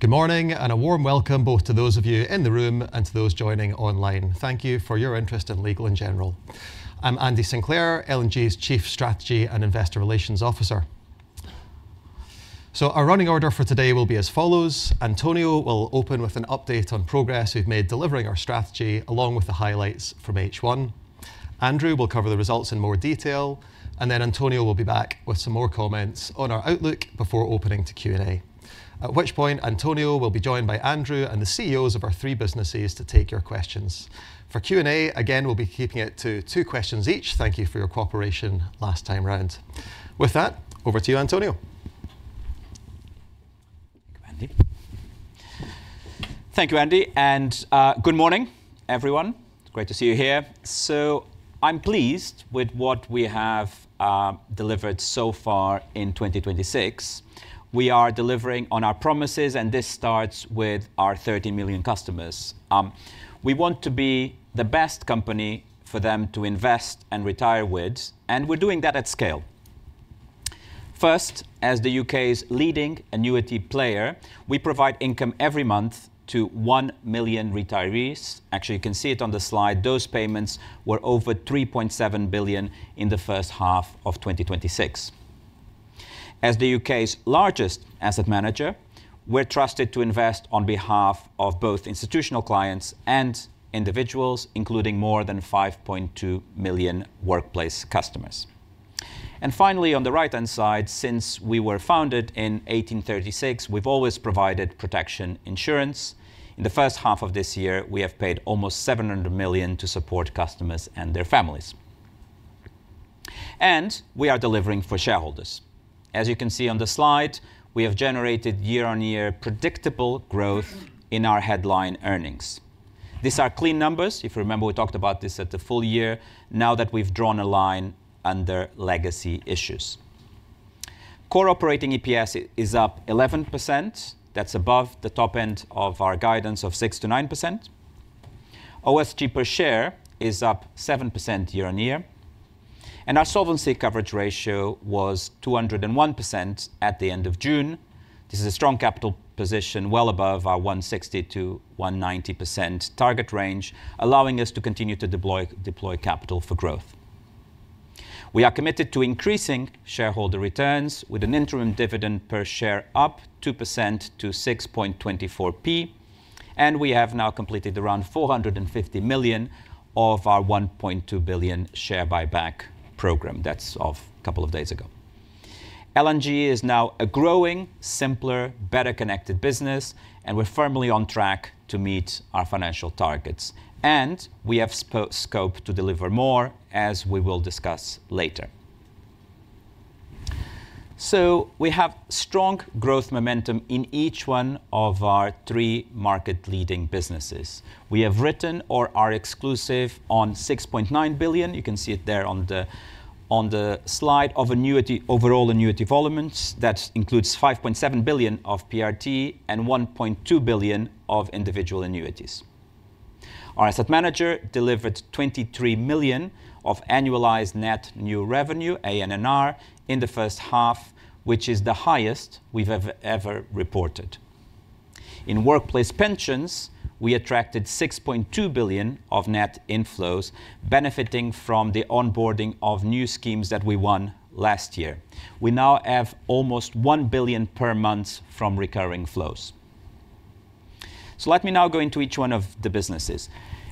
Good morning, a warm welcome both to those of you in the room and to those joining online. Thank you for your interest in Legal & General. I'm Andy Sinclair, L&G's Chief Strategy and Investor Relations Officer. Our running order for today will be as follows. António will open with an update on progress we've made delivering our strategy, along with the highlights from H1. Andrew will cover the results in more detail, and then António will be back with some more comments on our outlook before opening to Q&A. At which point, António will be joined by Andrew and the CEOs of our three businesses to take your questions. For Q&A, again, we'll be keeping it to two questions each. Thank you for your cooperation last time round. With that, over to you, António. Thank you, Andy, and good morning, everyone. It's great to see you here. I'm pleased with what we have delivered so far in 2026. We are delivering on our promises, and this starts with our 30 million customers. We want to be the best company for them to invest and retire with, and we're doing that at scale. First, as the U.K.'s leading annuity player, we provide income every month to 1 million retirees. Actually, you can see it on the slide. Those payments were over 3.7 billion in the first half of 2026. As the U.K.'s largest asset manager, we're trusted to invest on behalf of both institutional clients and individuals, including more than 5.2 million workplace customers. Finally, on the right-hand side, since we were founded in 1836, we've always provided protection insurance. In the first half of this year, we have paid almost 700 million to support customers and their families. We are delivering for shareholders. As you can see on the slide, we have generated year-on-year predictable growth in our headline earnings. These are clean numbers, if you remember, we talked about this at the full year, now that we've drawn a line under legacy issues. Core operating EPS is up 11%. That's above the top end of our guidance of 6%-9%. OSG per share is up 7% year-on-year, and our solvency coverage ratio was 201% at the end of June. This is a strong capital position, well above our 160%-190% target range, allowing us to continue to deploy capital for growth. We are committed to increasing shareholder returns with an interim dividend per share up 2% to 0.0624, and we have now completed around 450 million of our 1.2 billion share buyback program. That's of a couple of days ago. L&G is now a growing, simpler, better-connected business, and we're firmly on track to meet our financial targets. We have scope to deliver more, as we will discuss later. We have strong growth momentum in each one of our three market-leading businesses. We have written or are exclusive on 6.9 billion. You can see it there on the slide of overall annuity volumes. That includes 5.7 billion of PRT and 1.2 billion of individual annuities. Our asset manager delivered 23 million of annualized net new revenue, ANNR, in the first half, which is the highest we've ever reported. In workplace pensions, we attracted 6.2 billion of net inflows, benefiting from the onboarding of new schemes that we won last year. We now have almost 1 billion per month from recurring flows. Let me now go into each one of the businesses.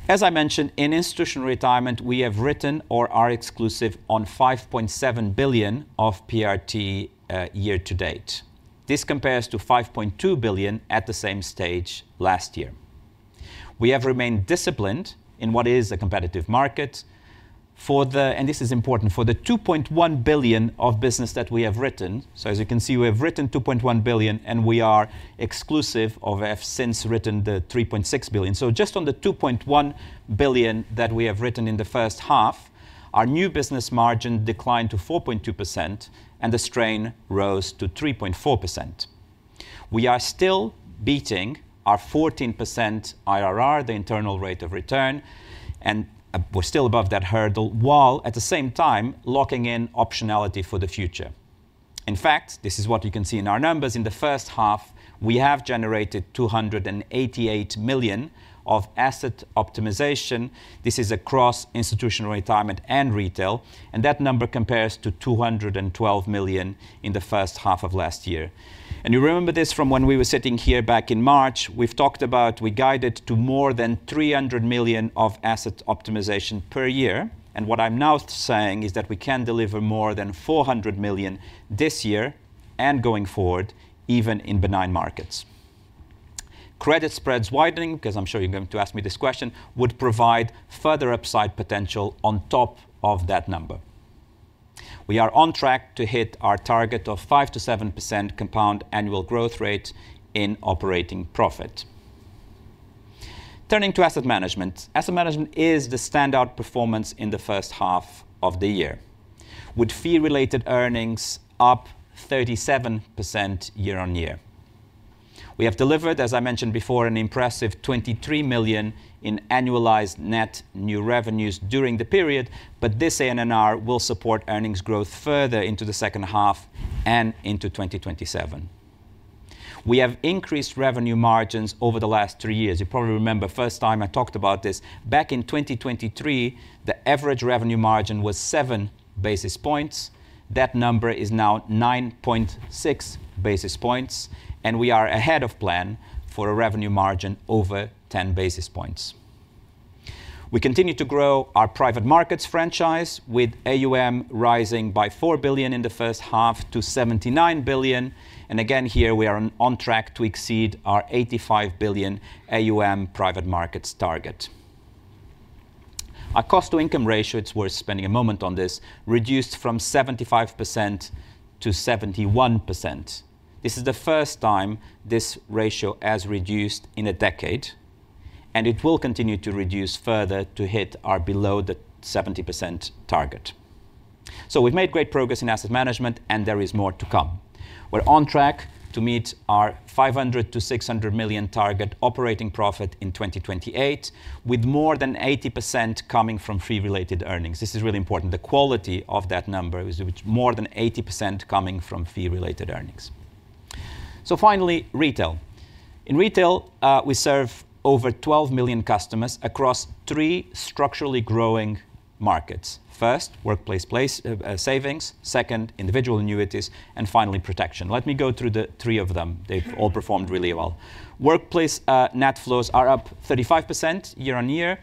As I mentioned, in institutional retirement, we have written or are exclusive on 5.7 billion of PRT year-to-date. This compares to 5.2 billion at the same stage last year. We have remained disciplined in what is a competitive market. This is important. For the 2.1 billion of business that we have written, as you can see, we have written 2.1 billion, and we are exclusive of have since written the 3.6 billion. Just on the 2.1 billion that we have written in the first half, our new business margin declined to 4.2%, and the strain rose to 3.4%. We are still beating our 14% IRR, the internal rate of return, and we're still above that hurdle, while at the same time locking in optionality for the future. In fact, this is what you can see in our numbers. In the first half, we have generated 288 million of asset optimization. This is across institutional retirement and retail, and that number compares to 212 million in the first half of last year. You remember this from when we were sitting here back in March, we guided to more than 300 million of asset optimization per year. What I'm now saying is that we can deliver more than 400 million this year and going forward, even in benign markets. Credit spreads widening, because I'm sure you're going to ask me this question, would provide further upside potential on top of that number. We are on track to hit our target of 5%-7% compound annual growth rate in operating profit. Turning to asset management. Asset management is the standout performance in the first half of the year, with fee-related earnings up 37% year-on-year. We have delivered, as I mentioned before, an impressive 23 million in annualized net new revenues during the period, this ANNR will support earnings growth further into the second half and into 2027. We have increased revenue margins over the last three years. You probably remember first time I talked about this. Back in 2023, the average revenue margin was seven basis points. That number is now 9.6 basis points, and we are ahead of plan for a revenue margin over 10 basis points. We continue to grow our private markets franchise with AUM rising by 4 billion in the first half to 79 billion. Again, here we are on track to exceed our 85 billion AUM private markets target. Our cost-to-income ratio, it's worth spending a moment on this, reduced from 75%-71%. This is the first time this ratio has reduced in a decade, and it will continue to reduce further to hit our below the 70% target. We've made great progress in asset management and there is more to come. We're on track to meet our 500 million-600 million target operating profit in 2028, with more than 80% coming from fee-related earnings. This is really important. The quality of that number is with more than 80% coming from fee-related earnings. Finally, retail. In retail, we serve over 12 million customers across three structurally growing markets. First, workplace savings, second, individual annuities, and finally, protection. Let me go through the three of them. They've all performed really well. Workplace net flows are up 35% year-on-year.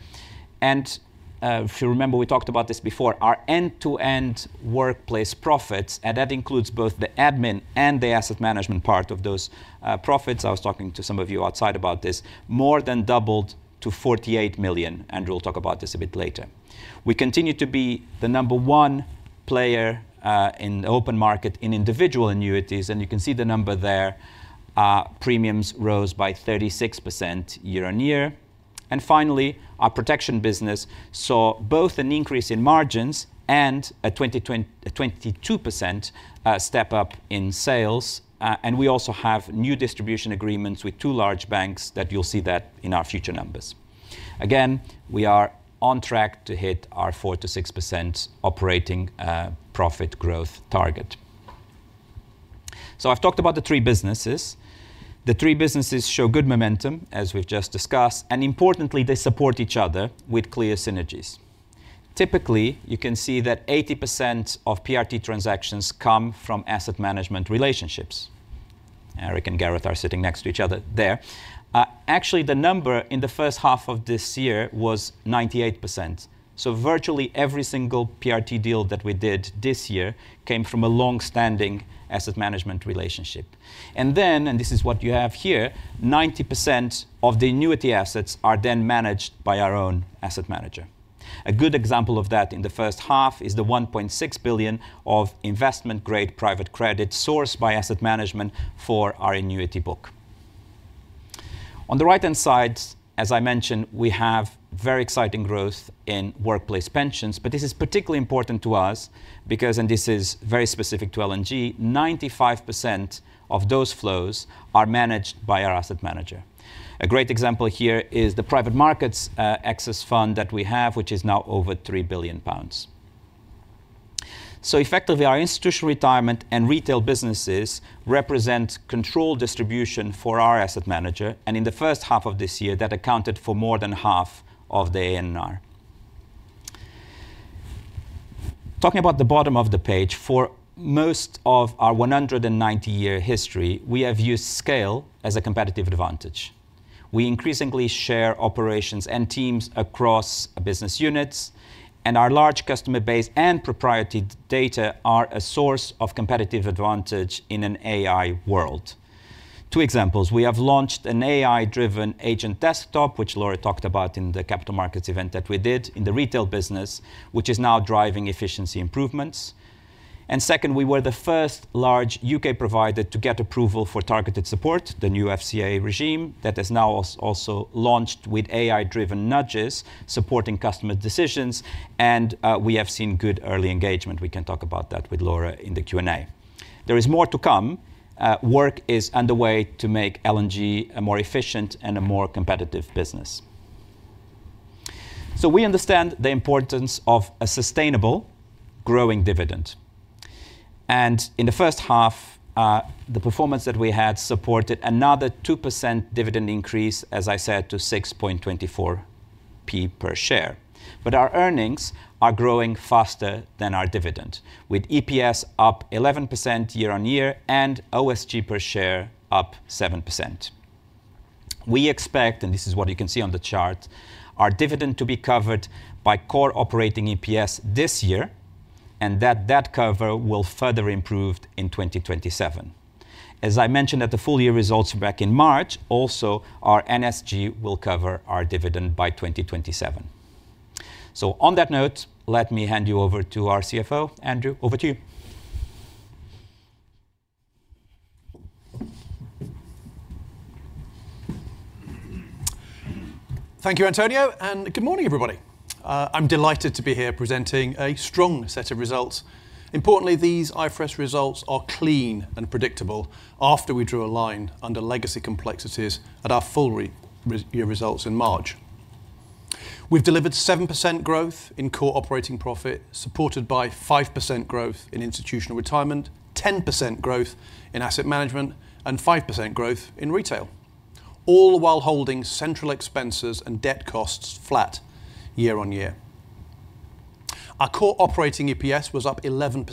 If you remember, we talked about this before, our end-to-end workplace profits, and that includes both the admin and the asset management part of those profits, I was talking to some of you outside about this, more than doubled to 48 million, and we'll talk about this a bit later. We continue to be the number one player in the open market in individual annuities, and you can see the number there. Premiums rose by 36% year-on-year. Finally, our protection business saw both an increase in margins and a 22% step-up in sales. We also have new distribution agreements with two large banks that you'll see that in our future numbers. Again, we are on track to hit our 4%-6% operating profit growth target. I've talked about the three businesses. The three businesses show good momentum, as we've just discussed, and importantly, they support each other with clear synergies. Typically, you can see that 80% of PRT transactions come from asset management relationships. Eric and Gareth are sitting next to each other there. Actually, the number in the first half of this year was 98%. Virtually every single PRT deal that we did this year came from a longstanding asset management relationship. Then, and this is what you have here, 90% of the annuity assets are then managed by our own asset manager. A good example of that in the first half is the 1.6 billion of investment-grade private credit sourced by asset management for our annuity book. On the right-hand side, as I mentioned, we have very exciting growth in workplace pensions, but this is particularly important to us because, and this is very specific to L&G, 95% of those flows are managed by our asset manager. A great example here is the L&G Private Markets Access Fund that we have, which is now over 3 billion pounds. Effectively, our institutional retirement and retail businesses represent controlled distribution for our asset manager. In the first half of this year, that accounted for more than half of the ANR. Talking about the bottom of the page, for most of our 190-year history, we have used scale as a competitive advantage. We increasingly share operations and teams across business units, and our large customer base and proprietary data are a source of competitive advantage in an AI world., two examples. We have launched an AI-driven agent desktop, which Laura talked about in the capital markets event that we did in the retail business, which is now driving efficiency improvements. Second, we were the first large U.K. provider to get approval for targeted support, the new FCA regime that has now also launched with AI-driven nudges supporting customer decisions, and we have seen good early engagement. We can talk about that with Laura in the Q&A. There is more to come. Work is underway to make L&G a more efficient and a more competitive business. We understand the importance of a sustainable growing dividend. In the first half, the performance that we had supported another 2% dividend increase, as I said, to 0.0624 per share. Our earnings are growing faster than our dividend, with EPS up 11% year-on-year and OSG per share up 7%. We expect, and this is what you can see on the chart, our dividend to be covered by core operating EPS this year, and that that cover will further improve in 2027. As I mentioned at the full-year results back in March, also, our NSG will cover our dividend by 2027. On that note, let me hand you over to our Chief Financial Officer. Andrew, over to you. Thank you, António, and good morning, everybody. I'm delighted to be here presenting a strong set of results. Importantly, these IFRS results are clean and predictable after we drew a line under legacy complexities at our full-year results in March. We've delivered 7% growth in core operating profit, supported by 5% growth in institutional retirement, 10% growth in asset management, and 5% growth in retail, all while holding central expenses and debt costs flat year-on-year. Our core operating EPS was up 11%,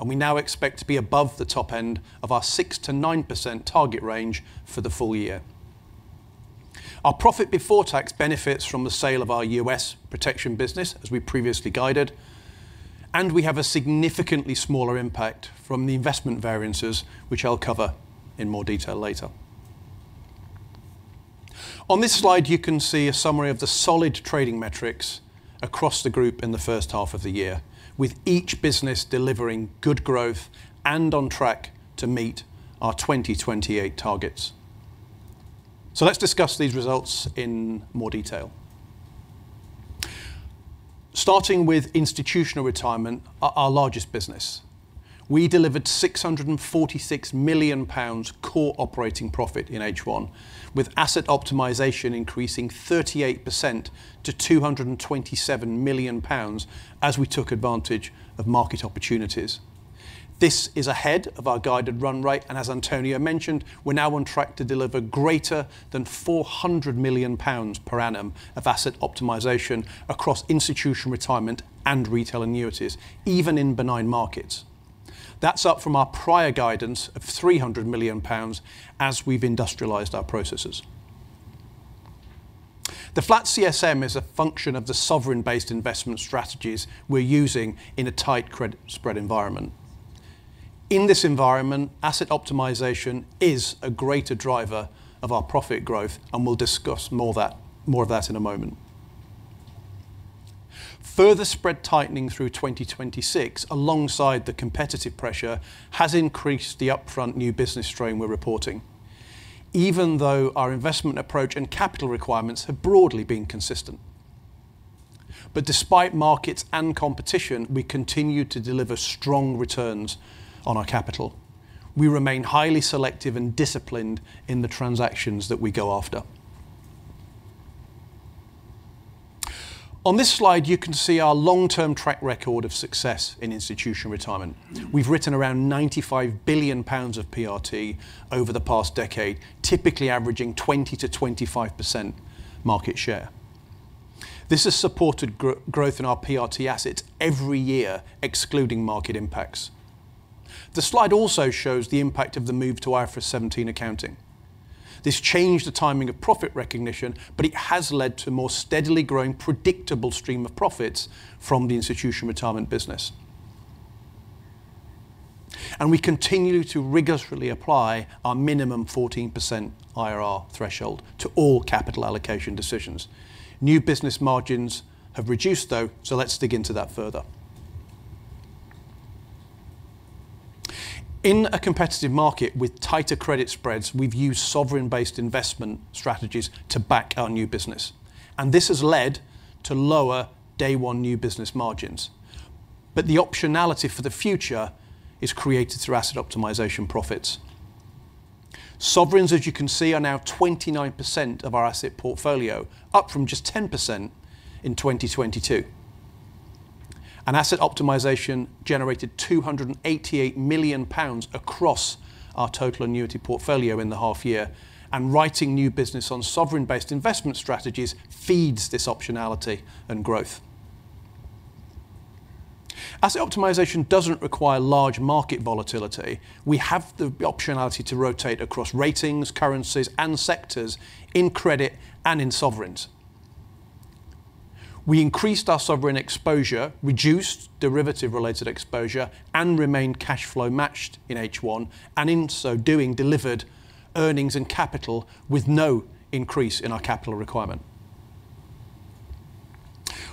and we now expect to be above the top end of our 6%-9% target range for the full year. Our profit before tax benefits from the sale of our U.S. protection business, as we previously guided. We have a significantly smaller impact from the investment variances, which I'll cover in more detail later. On this slide, you can see a summary of the solid trading metrics across the group in the first half of the year, with each business delivering good growth and on track to meet our 2028 targets. Let's discuss these results in more detail. Starting with institutional retirement, our largest business. We delivered 646 million pounds core operating profit in H1, with asset optimization increasing 38% to 227 million pounds as we took advantage of market opportunities. This is ahead of our guided run rate, and as António mentioned, we're now on track to deliver greater than 400 million pounds per annum of asset optimization across institutional retirement and retail annuities, even in benign markets. That's up from our prior guidance of 300 million pounds, as we've industrialized our processes. The flat CSM is a function of the sovereign-based investment strategies we're using in a tight credit spread environment. In this environment, asset optimization is a greater driver of our profit growth, and we'll discuss more of that in a moment. Further spread tightening through 2026, alongside the competitive pressure, has increased the upfront new business strain we're reporting, even though our investment approach and capital requirements have broadly been consistent. Despite markets and competition, we continue to deliver strong returns on our capital. We remain highly selective and disciplined in the transactions that we go after. On this slide, you can see our long-term track record of success in institutional retirement. We've written around 95 billion pounds of PRT over the past decade, typically averaging 20%-25% market share. This has supported growth in our PRT assets every year, excluding market impacts. The slide also shows the impact of the move to IFRS 17 accounting. This changed the timing of profit recognition, but it has led to a more steadily growing, predictable stream of profits from the institutional retirement business. We continue to rigorously apply our minimum 14% IRR threshold to all capital allocation decisions. New business margins have reduced, though, so let's dig into that further. In a competitive market with tighter credit spreads, we've used sovereign-based investment strategies to back our new business, and this has led to lower day one new business margins. The optionality for the future is created through asset optimization profits. Sovereigns, as you can see, are now 29% of our asset portfolio, up from just 10% in 2022. Asset optimization generated 288 million pounds across our total annuity portfolio in the half year, and writing new business on sovereign-based investment strategies feeds this optionality and growth. Asset optimization doesn't require large market volatility. We have the optionality to rotate across ratings, currencies, and sectors, in credit and in sovereigns. We increased our sovereign exposure, reduced derivative-related exposure, and remained cash flow matched in H1, and in so doing, delivered earnings and capital with no increase in our capital requirement.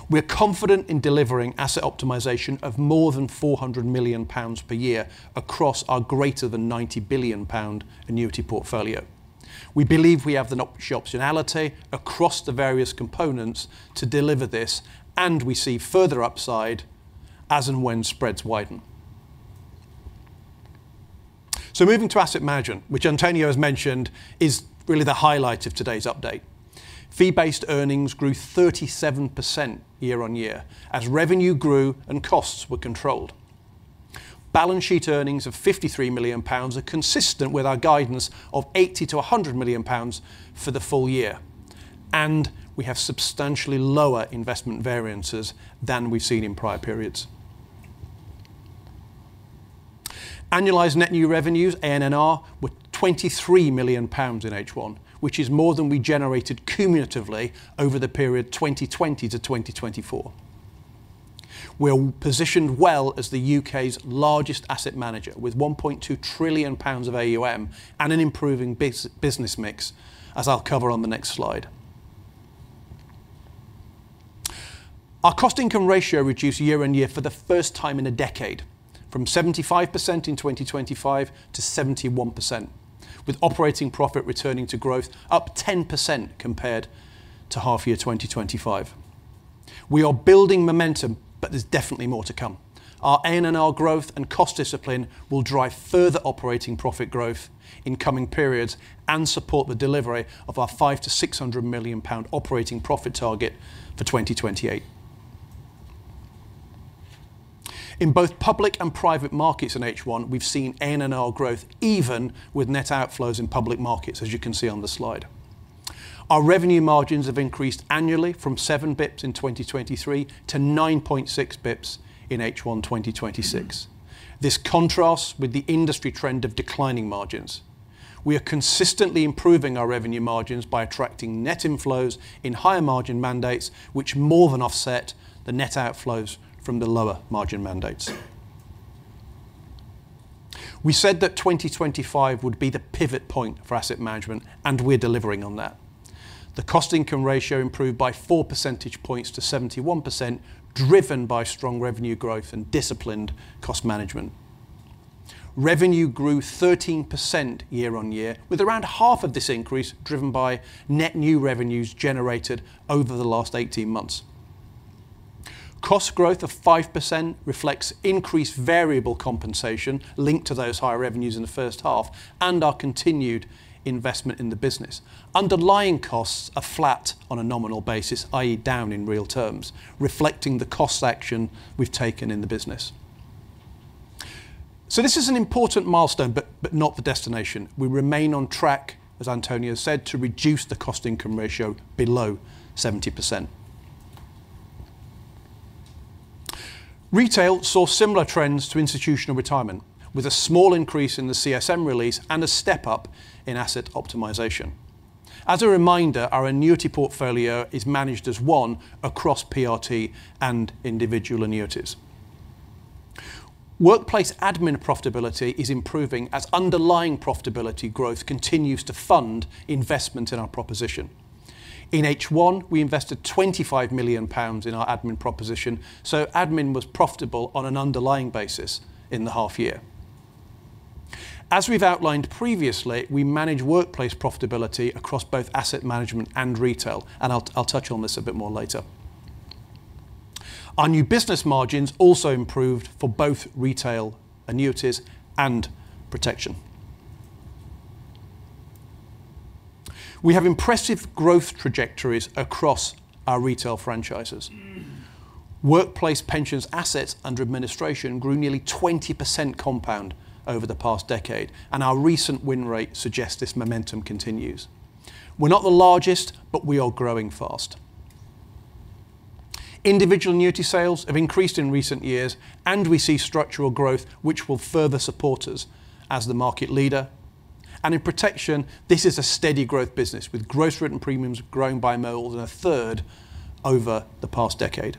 We're confident in delivering asset optimization of more than 400 million pounds per year across our greater than 90 billion pound annuity portfolio. We believe we have the optionality across the various components to deliver this, and we see further upside as and when spreads widen. Moving to asset management, which António has mentioned is really the highlight of today's update. Fee-based earnings grew 37% year-on-year as revenue grew and costs were controlled. Balance sheet earnings of 53 million pounds are consistent with our guidance of 80 million-100 million pounds for the full year. We have substantially lower investment variances than we've seen in prior periods. Annualized net new revenues, ANNR, were 23 million pounds in H1, which is more than we generated cumulatively over the period 2020-2024. We're positioned well as the U.K.'s largest asset manager, with 1.2 trillion pounds of AUM and an improving business mix, as I'll cover on the next slide. Our cost-income ratio reduced year-on-year for the first time in a decade, from 75% in 2025 to 71%, with operating profit returning to growth up 10% compared to half year 2025. We are building momentum, there's definitely more to come. Our ANR growth and cost discipline will drive further operating profit growth in coming periods and support the delivery of our 500 million-600 million pound operating profit target for 2028. In both public and private markets in H1, we've seen ANR growth even with net outflows in public markets, as you can see on the slide. Our revenue margins have increased annually from 7 basis points in 2023 to 9.6 basis points in H1 2026. This contrasts with the industry trend of declining margins. We are consistently improving our revenue margins by attracting net inflows in higher margin mandates, which more than offset the net outflows from the lower margin mandates. We said that 2025 would be the pivot point for asset management, we're delivering on that. The cost-income ratio improved by 4 percentage points to 71%, driven by strong revenue growth and disciplined cost management. Revenue grew 13% year-over-year, with around half of this increase driven by net new revenues generated over the last 18 months. Cost growth of 5% reflects increased variable compensation linked to those higher revenues in the first half and our continued investment in the business. Underlying costs are flat on a nominal basis, i.e., down in real terms, reflecting the cost action we've taken in the business. This is an important milestone, but not the destination. We remain on track, as António said, to reduce the cost-income ratio below 70%. Retail saw similar trends to institutional retirement, with a small increase in the CSM release and a step-up in asset optimization. As a reminder, our annuity portfolio is managed as one across PRT and individual annuities. Workplace admin profitability is improving as underlying profitability growth continues to fund investment in our proposition. In H1, we invested 25 million pounds in our admin proposition, admin was profitable on an underlying basis in the half year. As we've outlined previously, we manage workplace profitability across both asset management and retail, and I'll touch on this a bit more later. Our new business margins also improved for both retail annuities and protection. We have impressive growth trajectories across our retail franchises. Workplace pensions assets under administration grew nearly 20% compound over the past decade, and our recent win rate suggests this momentum continues. We're not the largest, but we are growing fast. Individual annuity sales have increased in recent years, and we see structural growth, which will further support us as the market leader. In protection, this is a steady growth business with gross written premiums growing by more than a third over the past decade.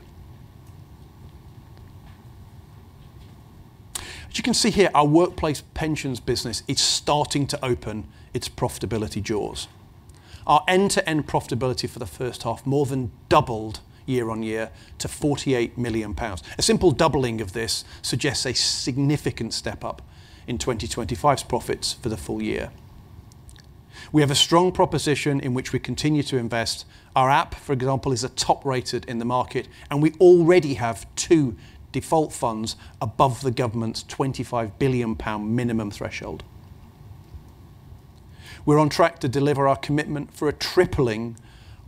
As you can see here, our workplace pensions business is starting to open its profitability jaws. Our end-to-end profitability for the first half more than doubled year-over-year to 48 million pounds. A simple doubling of this suggests a significant step up in 2025's profits for the full year. We have a strong proposition in which we continue to invest. Our app, for example, is top rated in the market, and we already have two default funds above the government's 25 billion pound minimum threshold. We're on track to deliver our commitment for a tripling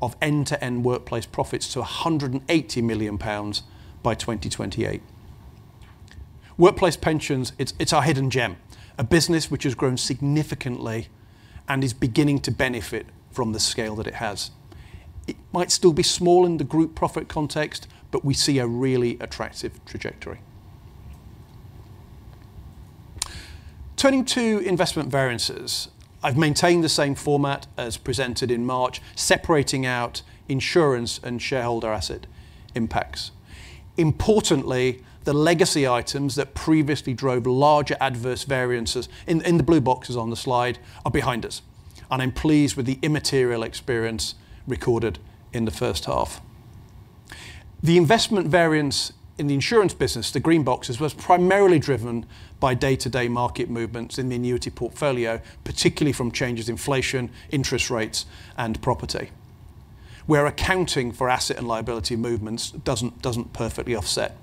of end-to-end workplace profits to 180 million pounds by 2028. Workplace pensions, it's our hidden gem, a business which has grown significantly and is beginning to benefit from the scale that it has. It might still be small in the group profit context, but we see a really attractive trajectory. Turning to investment variances. I've maintained the same format as presented in March, separating out insurance and shareholder asset impacts. Importantly, the legacy items that previously drove larger adverse variances in the blue boxes on the slide are behind us, and I'm pleased with the immaterial experience recorded in the first half. The investment variance in the insurance business, the green boxes, was primarily driven by day-to-day market movements in the annuity portfolio, particularly from changes inflation, interest rates, and property. We're accounting for asset and liability movements, doesn't perfectly offset.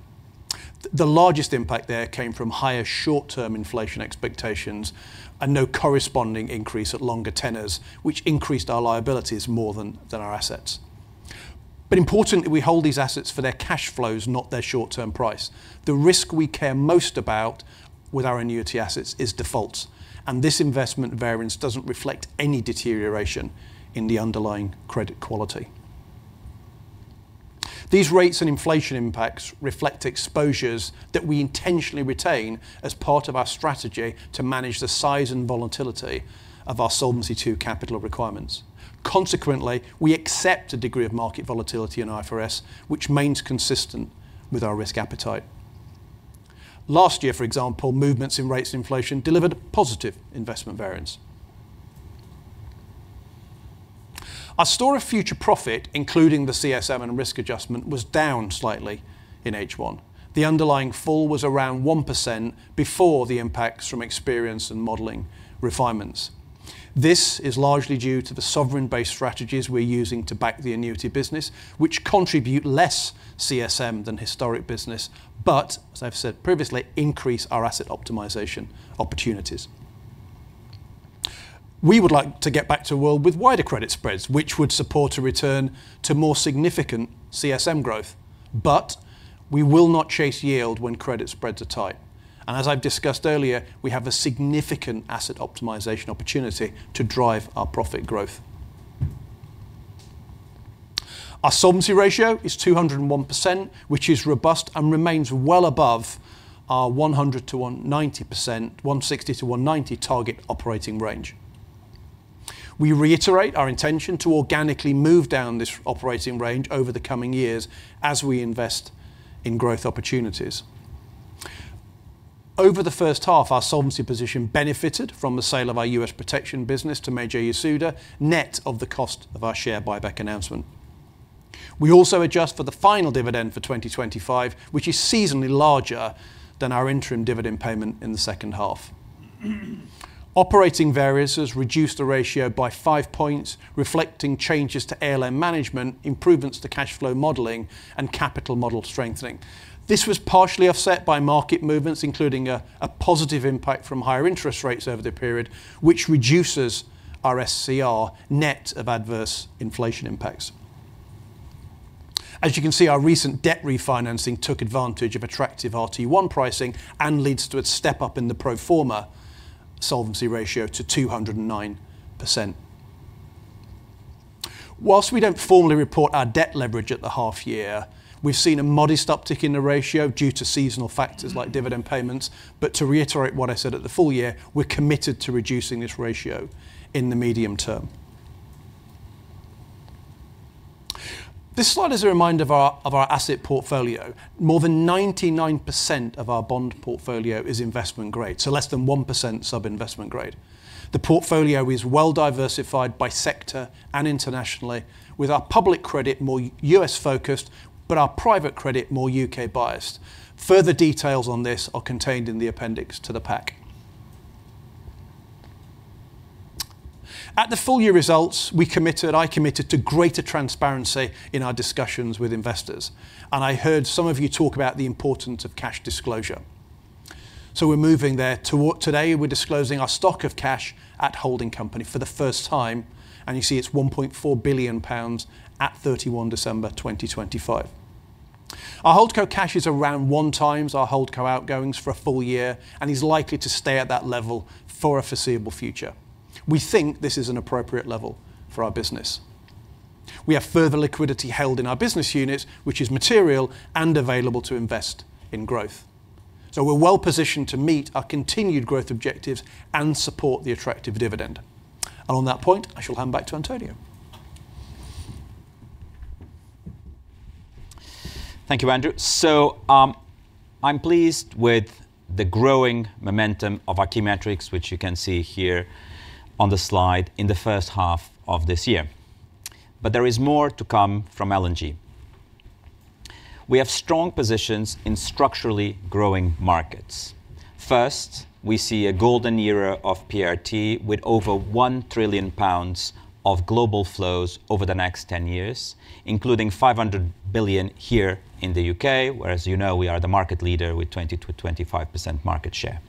The largest impact there came from higher short-term inflation expectations and no corresponding increase at longer tenors, which increased our liabilities more than our assets. Importantly, we hold these assets for their cash flows, not their short-term price. The risk we care most about with our annuity assets is defaults, and this investment variance doesn't reflect any deterioration in the underlying credit quality. These rates and inflation impacts reflect exposures that we intentionally retain as part of our strategy to manage the size and volatility of our Solvency II capital requirements. Consequently, we accept a degree of market volatility in IFRS, which remains consistent with our risk appetite. Last year, for example, movements in rates inflation delivered a positive investment variance. Our store of future profit, including the CSM and risk adjustment, was down slightly in H1. The underlying fall was around 1% before the impacts from experience and modeling refinements. This is largely due to the sovereign-based strategies we're using to back the annuity business, which contribute less CSM than historic business, but as I've said previously, increase our asset optimization opportunities. We would like to get back to a world with wider credit spreads, which would support a return to more significant CSM growth, but we will not chase yield when credit spreads are tight. As I've discussed earlier, we have a significant asset optimization opportunity to drive our profit growth. Our solvency ratio is 201%, which is robust and remains well above our 100%-190%, 160%-190% target operating range. We reiterate our intention to organically move down this operating range over the coming years as we invest in growth opportunities. Over the first half, our solvency position benefited from the sale of our U.S. protection business to Meiji Yasuda, net of the cost of our share buyback announcement. We also adjust for the final dividend for 2025, which is seasonally larger than our interim dividend payment in the second half. Operating variances reduced the ratio by five points, reflecting changes to ALM management, improvements to cash flow modeling, and capital model strengthening. This was partially offset by market movements, including a positive impact from higher interest rates over the period, which reduces our SCR net of adverse inflation impacts. As you can see, our recent debt refinancing took advantage of attractive RT1 pricing and leads to a step-up in the pro forma solvency ratio to 209%. Whilst we don't formally report our debt leverage at the half year, we've seen a modest uptick in the ratio due to seasonal factors like dividend payments. But to reiterate what I said at the full year, we're committed to reducing this ratio in the medium term. This slide is a reminder of our asset portfolio. More than 99% of our bond portfolio is investment grade, so less than 1% sub-investment grade. The portfolio is well diversified by sector and internationally with our public credit more U.S. focused, but our private credit more U.K. biased. Further details on this are contained in the appendix to the pack. At the full year results, I committed to greater transparency in our discussions with investors. I heard some of you talk about the importance of cash disclosure. So we're moving there. Today, we're disclosing our stock of cash at holding company for the first time, and you see it's 1.4 billion pounds at 31 December 2025. Our Holdco cash is around one times our Holdco outgoings for a full year and is likely to stay at that level for a foreseeable future. We think this is an appropriate level for our business. We have further liquidity held in our business units, which is material and available to invest in growth. We're well-positioned to meet our continued growth objectives and support the attractive dividend. On that point, I shall hand back to António. Thank you, Andrew. I'm pleased with the growing momentum of our key metrics, which you can see here on the slide in the first half of this year. There is more to come from L&G. We have strong positions in structurally growing markets. First, we see a golden era of PRT with over 1 trillion pounds of global flows over the next 10 years, including 500 billion here in the U.K., where, as you know, we are the market leader with 20%-25% market share.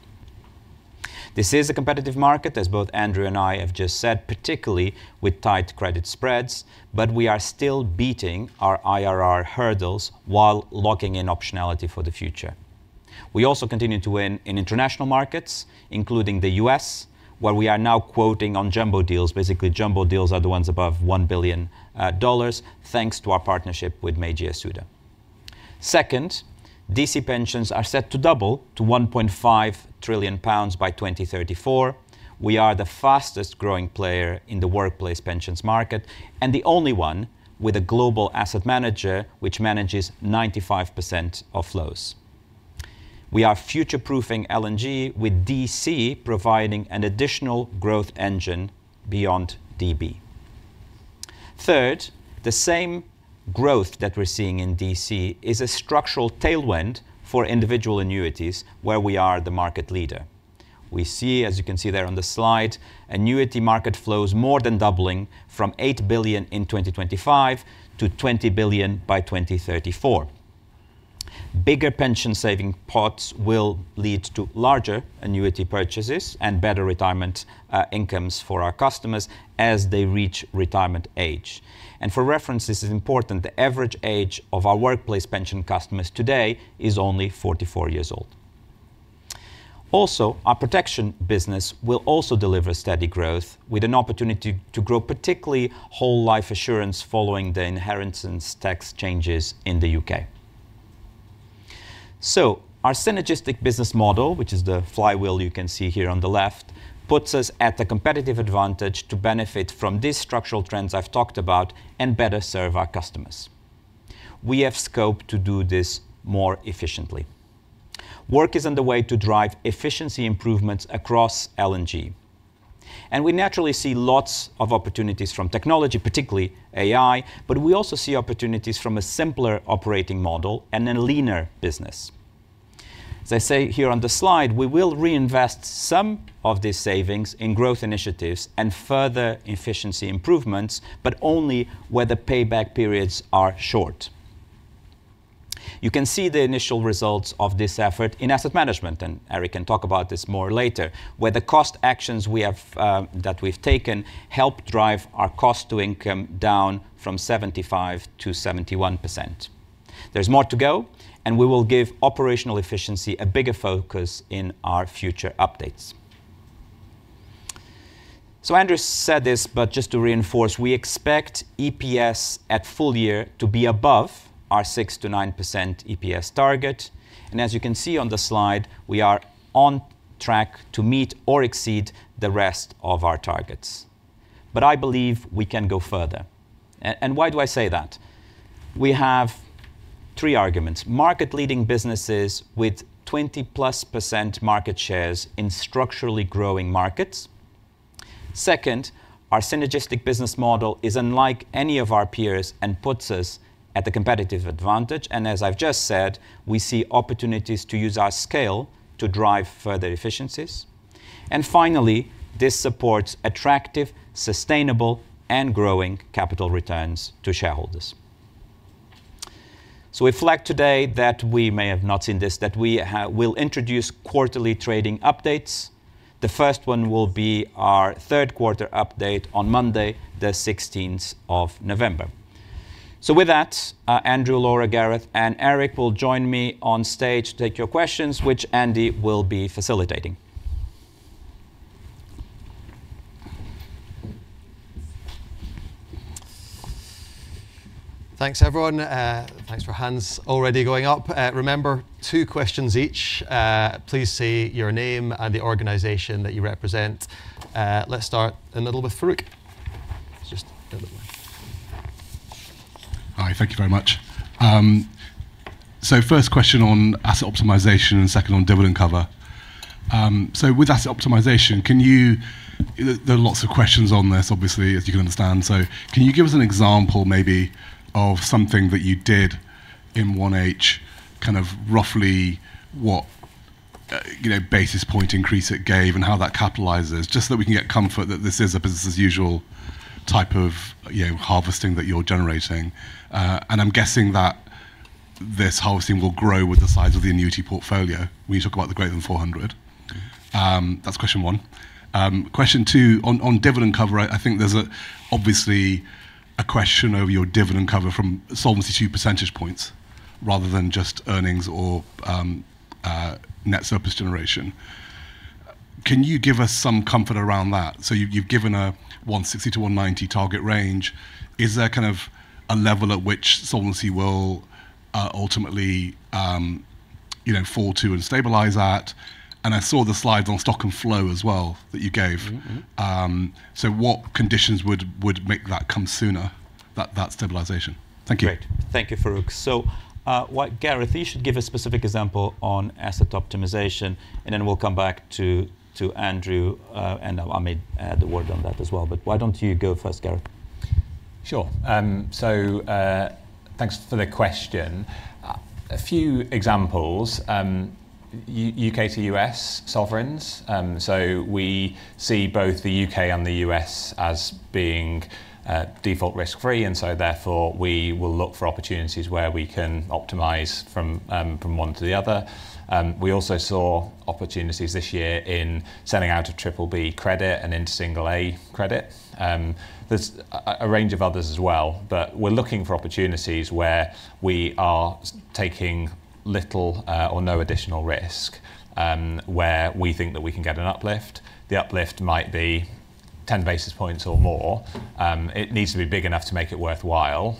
This is a competitive market, as both Andrew and I have just said, particularly with tight credit spreads, but we are still beating our IRR hurdles while locking in optionality for the future. We also continue to win in international markets, including the U.S., where we are now quoting on jumbo deals. Jumbo deals are the ones above $1 billion, thanks to our partnership with Meiji Yasuda. Second, DC pensions are set to double to 1.5 trillion pounds by 2034. We are the fastest-growing player in the workplace pensions market and the only one with a global asset manager, which manages 95% of flows. We are future-proofing L&G with DC providing an additional growth engine beyond DB. Third, the same growth that we're seeing in DC is a structural tailwind for individual annuities where we are the market leader. We see, as you can see there on the slide, annuity market flows more than doubling from 8 billion in 2025-GBP 20 billion by 2034. Bigger pension saving pots will lead to larger annuity purchases and better retirement incomes for our customers as they reach retirement age. For reference, this is important, the average age of our workplace pension customers today is only 44 years old. Our protection business will also deliver steady growth with an opportunity to grow, particularly whole life assurance following the inheritance tax changes in the U.K. Our synergistic business model, which is the flywheel you can see here on the left, puts us at a competitive advantage to benefit from these structural trends I've talked about and better serve our customers. We have scope to do this more efficiently. Work is underway to drive efficiency improvements across L&G. We naturally see lots of opportunities from technology, particularly AI, but we also see opportunities from a simpler operating model and a leaner business. As I say here on the slide, we will reinvest some of these savings in growth initiatives and further efficiency improvements, but only where the payback periods are short. You can see the initial results of this effort in asset management, and Eric can talk about this more later, where the cost actions that we've taken help drive our cost to income down from 75%-71%. There's more to go, and we will give operational efficiency a bigger focus in our future updates. Andrew said this, but just to reinforce, we expect EPS at full year to be above our 6%-9% EPS target. As you can see on the slide, we are on track to meet or exceed the rest of our targets. I believe we can go further. Why do I say that? We have three arguments. Market leading businesses with 20%+ market shares in structurally growing markets. Second, our synergistic business model is unlike any of our peers and puts us at the competitive advantage. As I've just said, we see opportunities to use our scale to drive further efficiencies. Finally, this supports attractive, sustainable, and growing capital returns to shareholders. We flag today that we may have not seen this, that we will introduce quarterly trading updates. The first one will be our third quarter update on Monday, the 16th of November. With that, Andrew, Laura, Gareth, and Eric will join me on stage to take your questions, which Andy will be facilitating. Thanks, everyone. Thanks for hands already going up. Remember, two questions each. Please say your name and the organization that you represent. Let's start in the middle with Farooq. Just the other way. Hi, thank you very much. First question on asset optimization and second on dividend cover. With asset optimization, there are lots of questions on this, obviously, as you can understand. Can you give us an example maybe of something that you did in 1H, roughly what basis point increase it gave and how that capitalizes, just so that we can get comfort that this is a business as usual type of harvesting that you're generating? I'm guessing that this harvesting will grow with the size of the annuity portfolio when you talk about the greater than 400. That's question one. Question two, on dividend cover, I think there's obviously a question over your dividend cover from solvency percentage points rather than just earnings or net surplus generation. Can you give us some comfort around that? You've given a 160-190 target range. Is there a level at which solvency will ultimately fall to and stabilize at? I saw the slides on stock and flow as well that you gave. What conditions would make that come sooner, that stabilization? Thank you. Great. Thank you, Farooq. Gareth, you should give a specific example on asset optimization, then we'll come back to Andrew, and [inaudible] had a word on that as well. Why don't you go first, Gareth? Sure. Thanks for the question. A few examples. U.K. to U.S. sovereigns. We see both the U.K. and the U.S. as being default risk-free, therefore, we will look for opportunities where we can optimize from one to the other. We also saw opportunities this year in selling out of Triple B credit and into Single A credit. There's a range of others as well. We're looking for opportunities where we are taking little or no additional risk, where we think that we can get an uplift. The uplift might be 10 basis points or more. It needs to be big enough to make it worthwhile.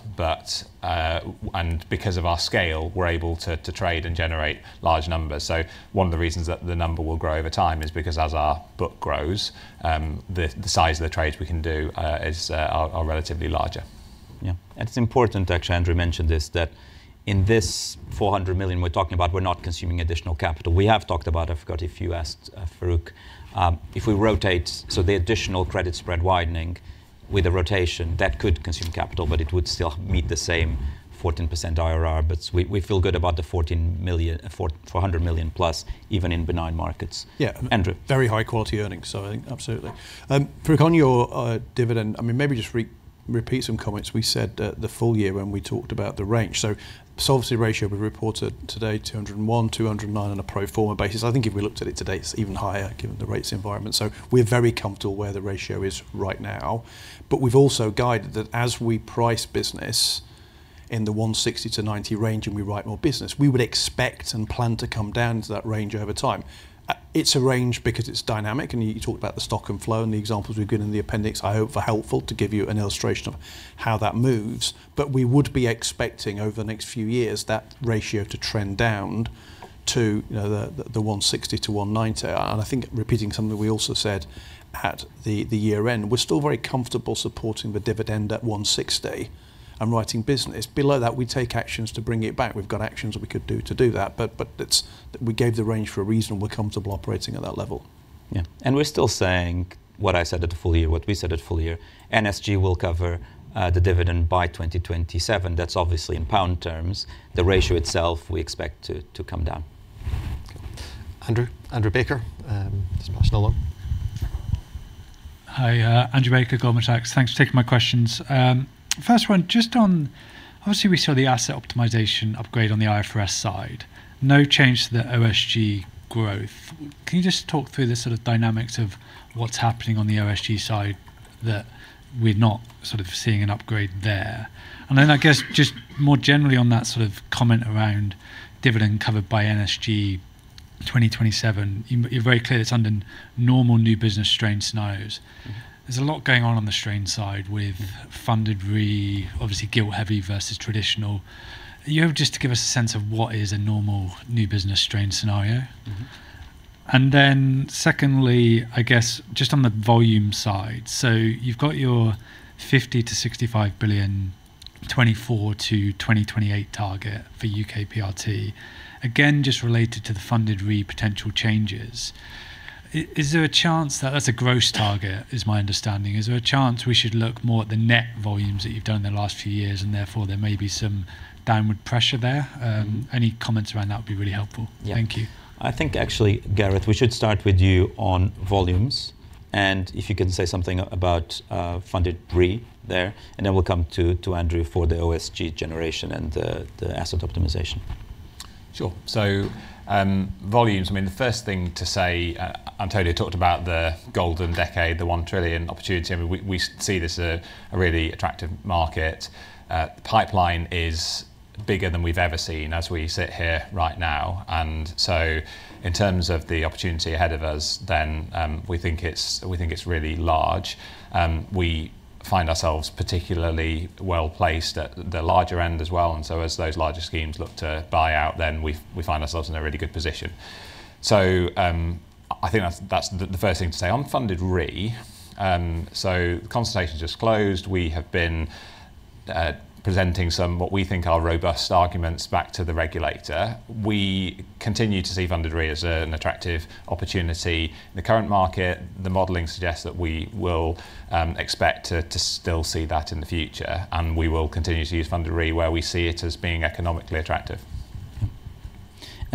Because of our scale, we're able to trade and generate large numbers. One of the reasons that the number will grow over time is because as our book grows, the size of the trades we can do are relatively larger. It's important, actually, Andrew mentioned this, that in this 400 million we're talking about, we're not consuming additional capital. We have talked about, I forgot if you asked, Farooq. If we rotate, the additional credit spread widening with a rotation, that could consume capital, but it would still meet the same 14% IRR. We feel good about the 400 million plus even in benign markets. Yeah. Andrew. Very high-quality earnings. I think absolutely. Farooq, on your dividend, maybe just repeat some comments we said the full year when we talked about the range. Solvency ratio we reported today, 201%, 209% on a pro forma basis. I think if we looked at it today, it's even higher given the rates environment. We're very comfortable where the ratio is right now. We've also guided that as we price business in the 160%-190% range and we write more business, we would expect and plan to come down to that range over time. It's a range because it's dynamic, and you talk about the stock and flow and the examples we've given in the appendix I hope were helpful to give you an illustration of how that moves. We would be expecting over the next few years that ratio to trend down to the 160%-190%. I think repeating something that we also said at the year end, we're still very comfortable supporting the dividend at 160% and writing business. Below that, we take actions to bring it back. We've got actions that we could do to do that. We gave the range for a reason, and we're comfortable operating at that level. Yeah. We're still saying what I said at the full year, what we said at full year, NSG will cover the dividend by 2027. That's obviously in pound terms. The ratio itself we expect to come down. Andrew Baker, just pass it along. Hi, Andrew Baker, Goldman Sachs. Thanks for taking my questions. First one, obviously we saw the asset optimization upgrade on the IFRS side. No change to the OSG growth. Can you just talk through the sort of dynamics of what's happening on the OSG side that we're not sort of seeing an upgrade there? Then I guess just more generally on that sort of comment around dividend covered by NSG 2027, you're very clear that it's under normal new business strain scenarios. There's a lot going on on the strain side with Funded Reinsurance, obviously gilt heavy versus traditional. Are you able just to give us a sense of what is a normal new business strain scenario? Secondly, I guess just on the volume side. You've got your 50 billion-65 billion, 2024-2028 target for U.K. PRT. Just related to the Funded Reinsurance potential changes. That's a gross target, is my understanding. Is there a chance we should look more at the net volumes that you've done in the last few years, and therefore there may be some downward pressure there? Any comments around that would be really helpful. Thank you. I think actually, Gareth, we should start with you on volumes, and if you can say something about Funded Reinsurance there, then we'll come to Andrew for the OSG generation and the asset optimization. Sure. Volumes, the first thing to say, António talked about the golden decade, the 1 trillion opportunity. We see this as a really attractive market. Pipeline is bigger than we've ever seen as we sit here right now. In terms of the opportunity ahead of us, then, we think it's really large. We find ourselves particularly well-placed at the larger end as well, and so as those larger schemes look to buy out, then we find ourselves in a really good position. I think that's the first thing to say. On Funded Reinsurance, the consultation's just closed. We have been presenting some, what we think are, robust arguments back to the regulator. We continue to see Funded Reinsurance as an attractive opportunity. In the current market, the modeling suggests that we will expect to still see that in the future, and we will continue to use Funded Reinsurance where we see it as being economically attractive.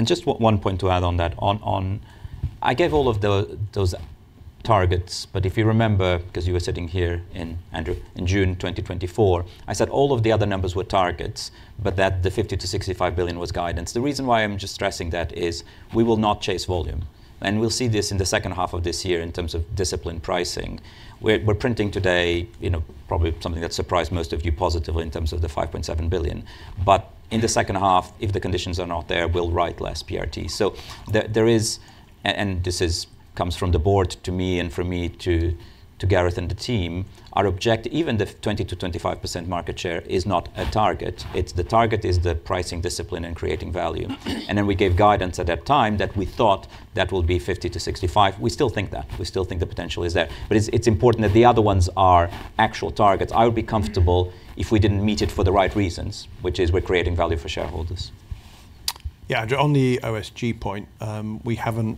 Just one point to add on that. I gave all of those targets, but if you remember, because you were sitting here, Andrew, in June 2024, I said all of the other numbers were targets, but that the 50 billion-65 billion was guidance. The reason why I'm just stressing that is we will not chase volume, and we'll see this in the second half of this year in terms of disciplined pricing. We're printing today, probably something that surprised most of you positively in terms of the 5.7 billion. In the second half, if the conditions are not there, we'll write less PRT. There is, and this comes from the board to me and from me to Gareth and the team, our object, even the 20%-25% market share is not a target. The target is the pricing discipline and creating value. We gave guidance at that time that we thought that will be 50-65. We still think that. We still think the potential is there. It's important that the other ones are actual targets. I would be comfortable if we didn't meet it for the right reasons, which is we're creating value for shareholders. Andrew, on the OSG point, we haven't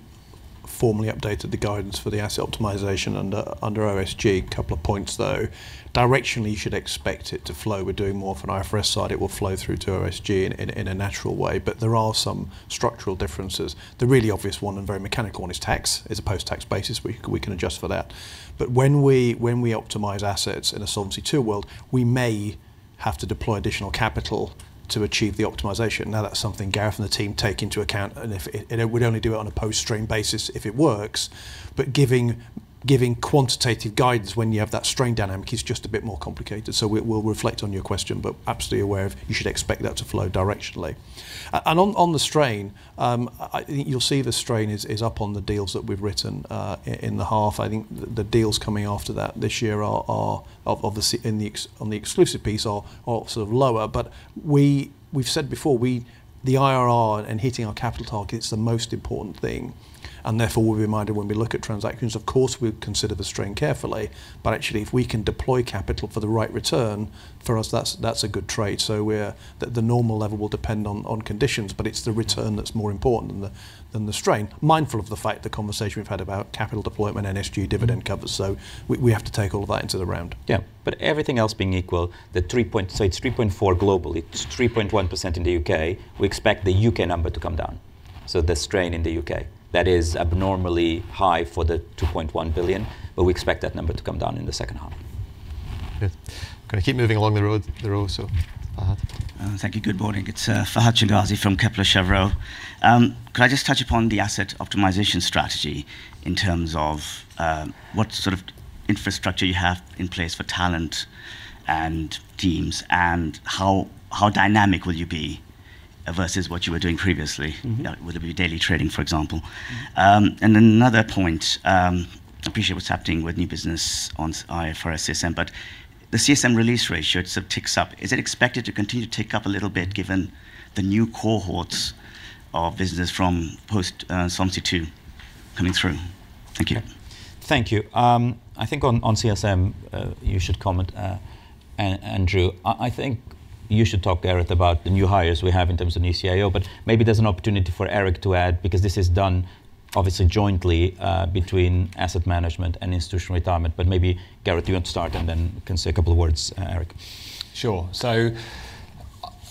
formally updated the guidance for the asset optimization under OSG. A couple of points, though. Directionally, you should expect it to flow. We're doing more from an IFRS side. It will flow through to OSG in a natural way, but there are some structural differences. The really obvious one, and very mechanical one, is tax. It's a post-tax basis. We can adjust for that. When we optimize assets in a Solvency II world, we may have to deploy additional capital to achieve the optimization. That's something Gareth and the team take into account, and we'd only do it on a post-strain basis if it works. Giving quantitative guidance when you have that strain dynamic is just a bit more complicated. We'll reflect on your question, but absolutely aware of you should expect that to flow directionally. On the strain, I think you'll see the strain is up on the deals that we've written in the half. I think the deals coming after that this year, on the exclusive piece, are sort of lower. We've said before, the IRR and hitting our capital target's the most important thing. Therefore we're reminded when we look at transactions, of course, we consider the strain carefully. Actually, if we can deploy capital for the right return, for us, that's a good trade. The normal level will depend on conditions, but it's the return that's more important than the strain. Mindful of the fact, the conversation we've had about capital deployment, NSG dividend cover, we have to take all of that into the round. Yeah. Everything else being equal, it's 3.4% globally. It's 3.1% in the U.K. We expect the U.K. number to come down. The strain in the U.K., that is abnormally high for the 2.1 billion, we expect that number to come down in the second half. Good. I'm going to keep moving along the row, Fahad. Thank you. Good morning. It's Fahad Changazi from Kepler Cheuvreux. Could I just touch upon the asset optimization strategy in terms of what sort of infrastructure you have in place for talent and teams, and how dynamic will you be versus what you were doing previously? Whether it be daily trading, for example. Another point, appreciate what's happening with new business on IFRS CSM. The CSM release ratio, it sort of ticks up. Is it expected to continue to tick up a little bit given the new cohorts of business from post-Solvency II coming through? Thank you. Thank you. I think on CSM, you should comment, Andrew. I think you should talk, Gareth, about the new hires we have in terms of new CIO. Maybe there's an opportunity for Eric to add, because this is done obviously jointly between asset management and institutional retirement. Maybe, Gareth, you want to start, and then can say a couple of words, Eric. Sure.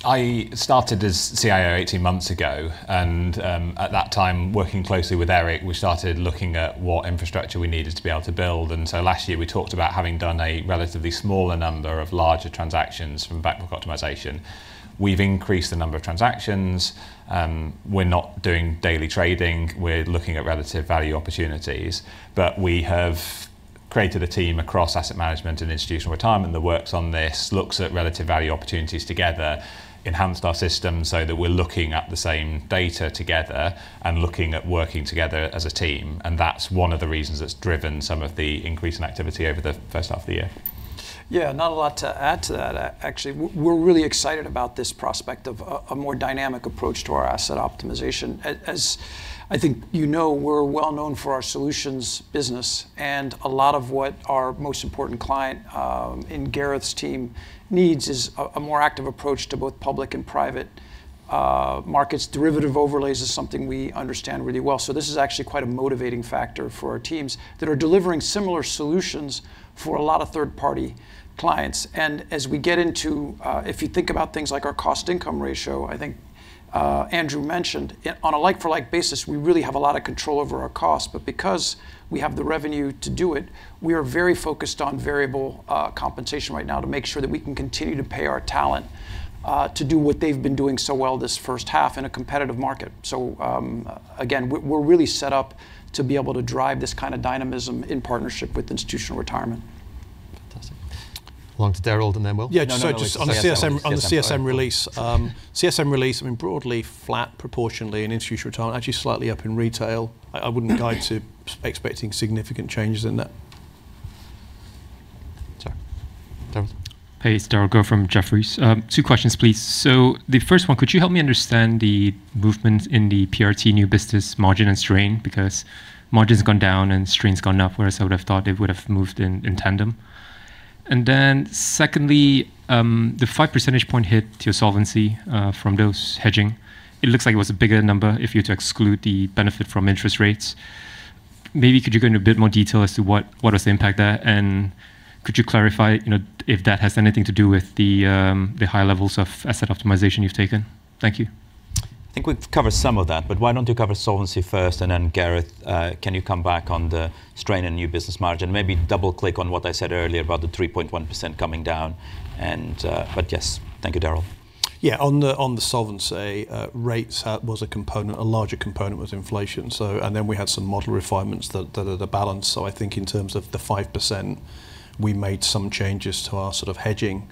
I started as CIO 18 months ago, and at that time, working closely with Eric, we started looking at what infrastructure we needed to be able to build. Last year, we talked about having done a relatively smaller number of larger transactions from back book optimization. We've increased the number of transactions. We're not doing daily trading. We're looking at relative value opportunities. We have created a team across asset management and institutional retirement that works on this, looks at relative value opportunities together, enhanced our system so that we're looking at the same data together and looking at working together as a team, and that's one of the reasons it's driven some of the increase in activity over the first half of the year. Yeah, not a lot to add to that, actually. We're really excited about this prospect of a more dynamic approach to our asset optimization. As I think you know, we're well known for our solutions business, and a lot of what our most important client, in Gareth's team needs is a more active approach to both public and private markets. Derivative overlays is something we understand really well. This is actually quite a motivating factor for our teams that are delivering similar solutions for a lot of third-party clients. As we get into, if you think about things like our cost income ratio, I think Andrew mentioned, on a like-for-like basis, we really have a lot of control over our cost. Because we have the revenue to do it, we are very focused on variable compensation right now to make sure that we can continue to pay our talent to do what they've been doing so well this first half in a competitive market. Again, we're really set up to be able to drive this kind of dynamism in partnership with Institutional Retirement. Fantastic. Along to Derald and then Will. Yeah. Just CSM On the CSM release. CSM release, I mean, broadly flat proportionally in institutional retirement, actually slightly up in retail. I wouldn't guide to expecting significant changes in that. Sorry. Derald. Hey, it's Derald Goh from Jefferies. Two questions, please. The first one, could you help me understand the movement in the PRT new business margin and strain? Because margin's gone down and strain's gone up, whereas I would have thought they would have moved in tandem. Secondly, the five percentage point hit to your solvency from those hedging, it looks like it was a bigger number if you're to exclude the benefit from interest rates. Maybe could you go into a bit more detail as to what is the impact there? Could you clarify if that has anything to do with the high levels of asset optimization you've taken? Thank you. I think we've covered some of that. Why don't you cover solvency first? Gareth, can you come back on the strain and new business margin? Maybe double click on what I said earlier about the 3.1% coming down. Thank you, Derald. Yeah, on the solvency, rates was a component. A larger component was inflation. Then we had some model refinements that are the balance. I think in terms of the 5%, we made some changes to our sort of hedging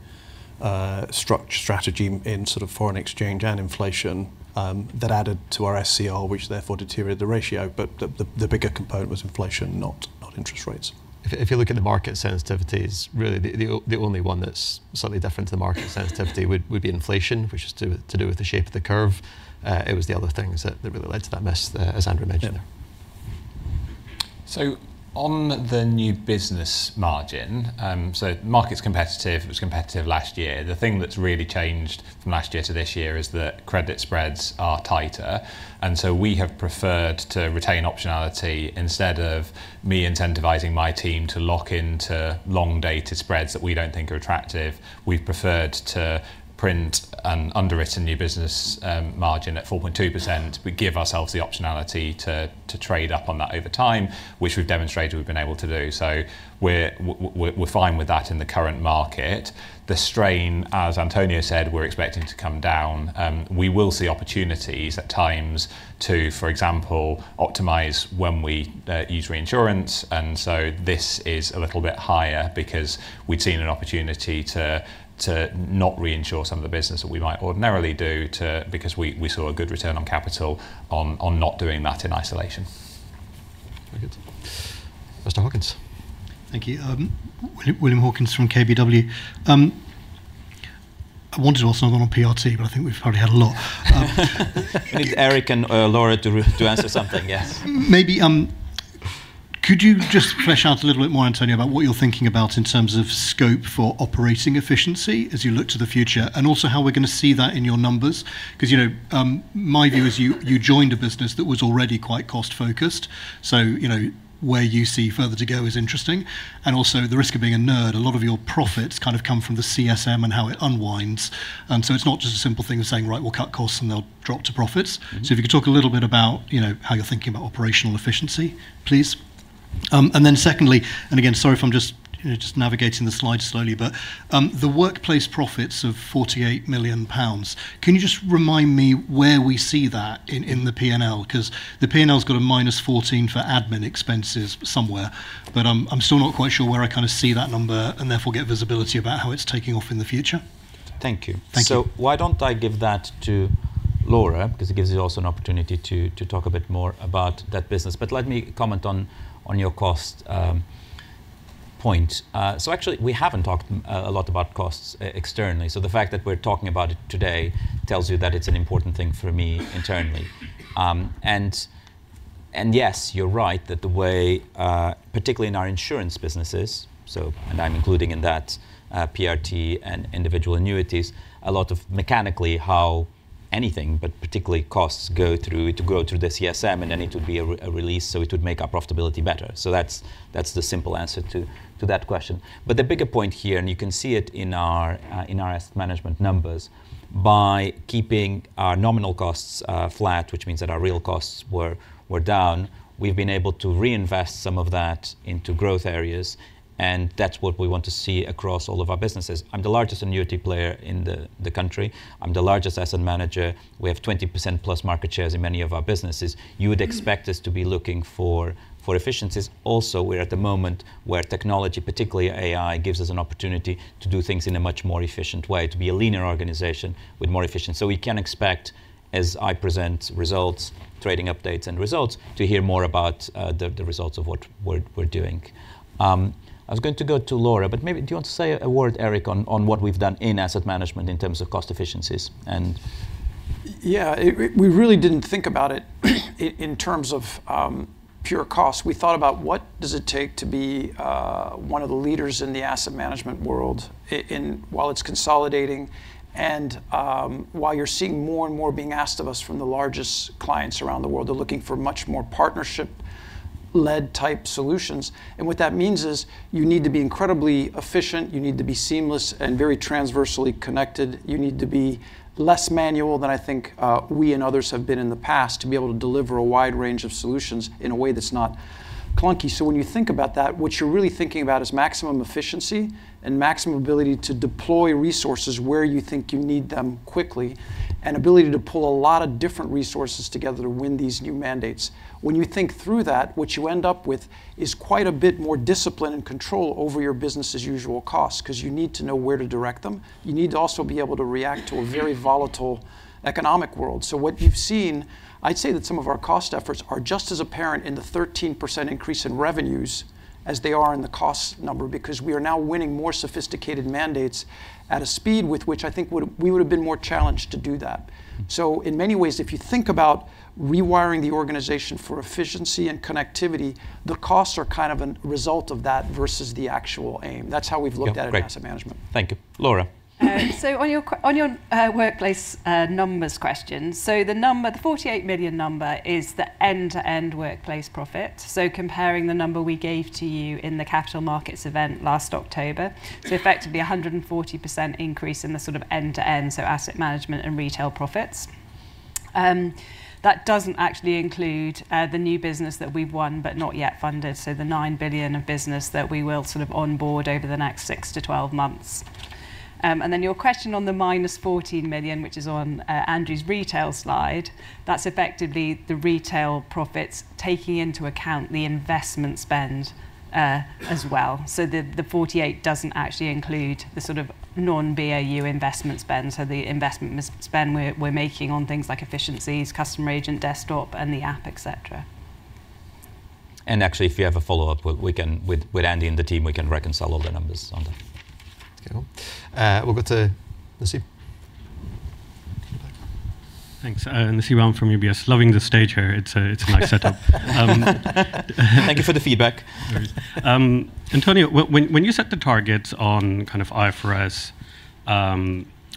strategy in sort of foreign exchange and inflation, that added to our SCR, which therefore deteriorated the ratio. The bigger component was inflation, not interest rates. If you look at the market sensitivities, really the only one that's slightly different to the market sensitivity would be inflation, which is to do with the shape of the curve. It was the other things that really led to that miss there, as Andrew mentioned. On the new business margin, so market's competitive. It was competitive last year. The thing that's really changed from last year to this year is that credit spreads are tighter, we have preferred to retain optionality. Instead of me incentivizing my team to lock into long dated spreads that we don't think are attractive, we've preferred to print an underwritten new business margin at 4.2%. We give ourselves the optionality to trade up on that over time, which we've demonstrated we've been able to do. We're fine with that in the current market. The strain, as António said, we're expecting to come down. We will see opportunities at times to, for example, optimize when we use reinsurance, this is a little bit higher because we'd seen an opportunity to not reinsure some of the business that we might ordinarily do, because we saw a good return on capital on not doing that in isolation. Very good. Mr. Hawkins. Thank you. William Hawkins from KBW. I wanted to ask another one on PRT, I think we've probably had a lot. I think Eric and Laura to answer something, yes. Maybe, could you just flesh out a little bit more, António, about what you're thinking about in terms of scope for operating efficiency as you look to the future, and also how we're going to see that in your numbers? My view is you joined a business that was already quite cost focused, where you see further to go is interesting. Also the risk of being a nerd, a lot of your profits kind of come from the CSM and how it unwinds. It's not just a simple thing of saying, right, we'll cut costs and they'll drop to profits. If you could talk a little bit about how you're thinking about operational efficiency, please. Secondly, again, sorry if I'm just navigating the slides slowly, but the workplace profits of 48 million pounds, can you just remind me where we see that in the P&L? Because the P&L's got a -14 for admin expenses somewhere, but I'm still not quite sure where I kind of see that number and therefore get visibility about how it's taking off in the future. Thank you. Thank you. Why don't I give that to Laura, because it gives you also an opportunity to talk a bit more about that business. Let me comment on your cost point. Actually, we haven't talked a lot about costs externally. The fact that we're talking about it today tells you that it's an important thing for me internally. Yes, you're right, that the way, particularly in our insurance businesses, and I'm including in that PRT and individual annuities, a lot of mechanically how anything, but particularly costs, go through the CSM, and then it would be a release, it would make our profitability better. That's the simple answer to that question. The bigger point here, you can see it in our asset management numbers, by keeping our nominal costs flat, which means that our real costs were down, we've been able to reinvest some of that into growth areas, that's what we want to see across all of our businesses. I'm the largest annuity player in the country. I'm the largest asset manager. We have 20%+ market shares in many of our businesses. You would expect us to be looking for efficiencies. We're at the moment where technology, particularly AI, gives us an opportunity to do things in a much more efficient way, to be a leaner organization with more efficiency. We can expect, as I present results, trading updates and results, to hear more about the results of what we're doing. I was going to go to Laura, maybe, do you want to say a word, Eric, on what we've done in asset management in terms of cost efficiencies and We really didn't think about it in terms of pure cost. We thought about what does it take to be one of the leaders in the asset management world while it's consolidating and while you're seeing more and more being asked of us from the largest clients around the world. They're looking for much more partnership-led type solutions. What that means is you need to be incredibly efficient. You need to be seamless and very transversely connected. You need to be less manual than I think we and others have been in the past to be able to deliver a wide range of solutions in a way that's not clunky. When you think about that, what you're really thinking about is maximum efficiency and maximum ability to deploy resources where you think you need them quickly, ability to pull a lot of different resources together to win these new mandates. When you think through that, what you end up with is quite a bit more discipline and control over your business as usual costs, because you need to know where to direct them. You need to also be able to react to a very volatile economic world. What you've seen, I'd say that some of our cost efforts are just as apparent in the 13% increase in revenues as they are in the cost number, because we are now winning more sophisticated mandates at a speed with which I think we would've been more challenged to do that. In many ways, if you think about rewiring the organization for efficiency and connectivity, the costs are a result of that versus the actual aim. That's how we've looked at asset management. Yeah, great. Thank you, Laura. On your workplace numbers question. The 48 million number is the end-to-end workplace profit, comparing the number we gave to you in the Capital Markets event last October. Effectively a 140% increase in the sort of end to end, asset management and retail profits. That doesn't actually include the new business that we've won but not yet funded, the 9 billion of business that we will sort of onboard over the next 6-12 months. Your question on the minus 14 million, which is on Andrew's retail slide. That's effectively the retail profits taking into account the investment spend as well. The 48 doesn't actually include the sort of non-BAU investment spend, the investment spend we're making on things like efficiencies, customer agent desktop, and the app, et cetera. If you have a follow-up, with Andy and the team, we can reconcile all the numbers on that. Okay, cool. We'll go to Nasib. Thanks. Nasib Ahmed from UBS. Loving the stage here. It's a nice setup. Thank you for the feedback. No worries. António, when you set the targets on IFRS,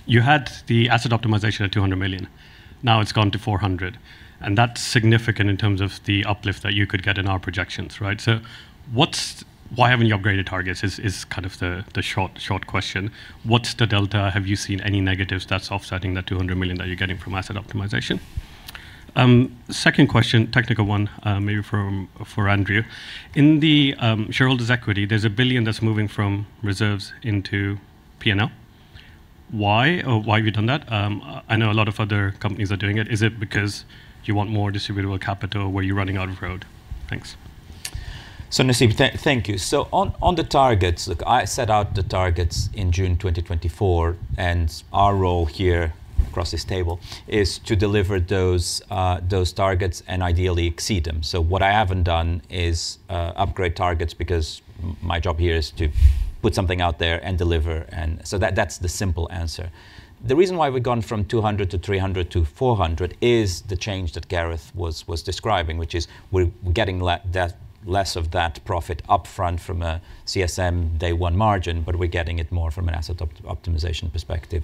you had the asset optimization at 200 million. Now it's gone to 400 million. That's significant in terms of the uplift that you could get in our projections, right? Why haven't you upgraded targets, is the short question. What's the delta? Have you seen any negatives that's offsetting that 200 million that you're getting from asset optimization? Second question, technical one, maybe for Andrew. In the shareholders' equity, there's 1 billion that's moving from reserves into P&L. Why have you done that? I know a lot of other companies are doing it. Is it because you want more distributable capital? Were you running out of road? Thanks. Nasib, thank you. On the targets, look, I set out the targets in June 2024, our role here across this table is to deliver those targets and ideally exceed them. What I haven't done is upgrade targets because my job here is to put something out there and deliver, that's the simple answer. The reason why we've gone from 200-300-GBP 400 is the change that Gareth was describing, which is we're getting less of that profit up front from a CSM day one margin, we're getting it more from an asset optimization perspective.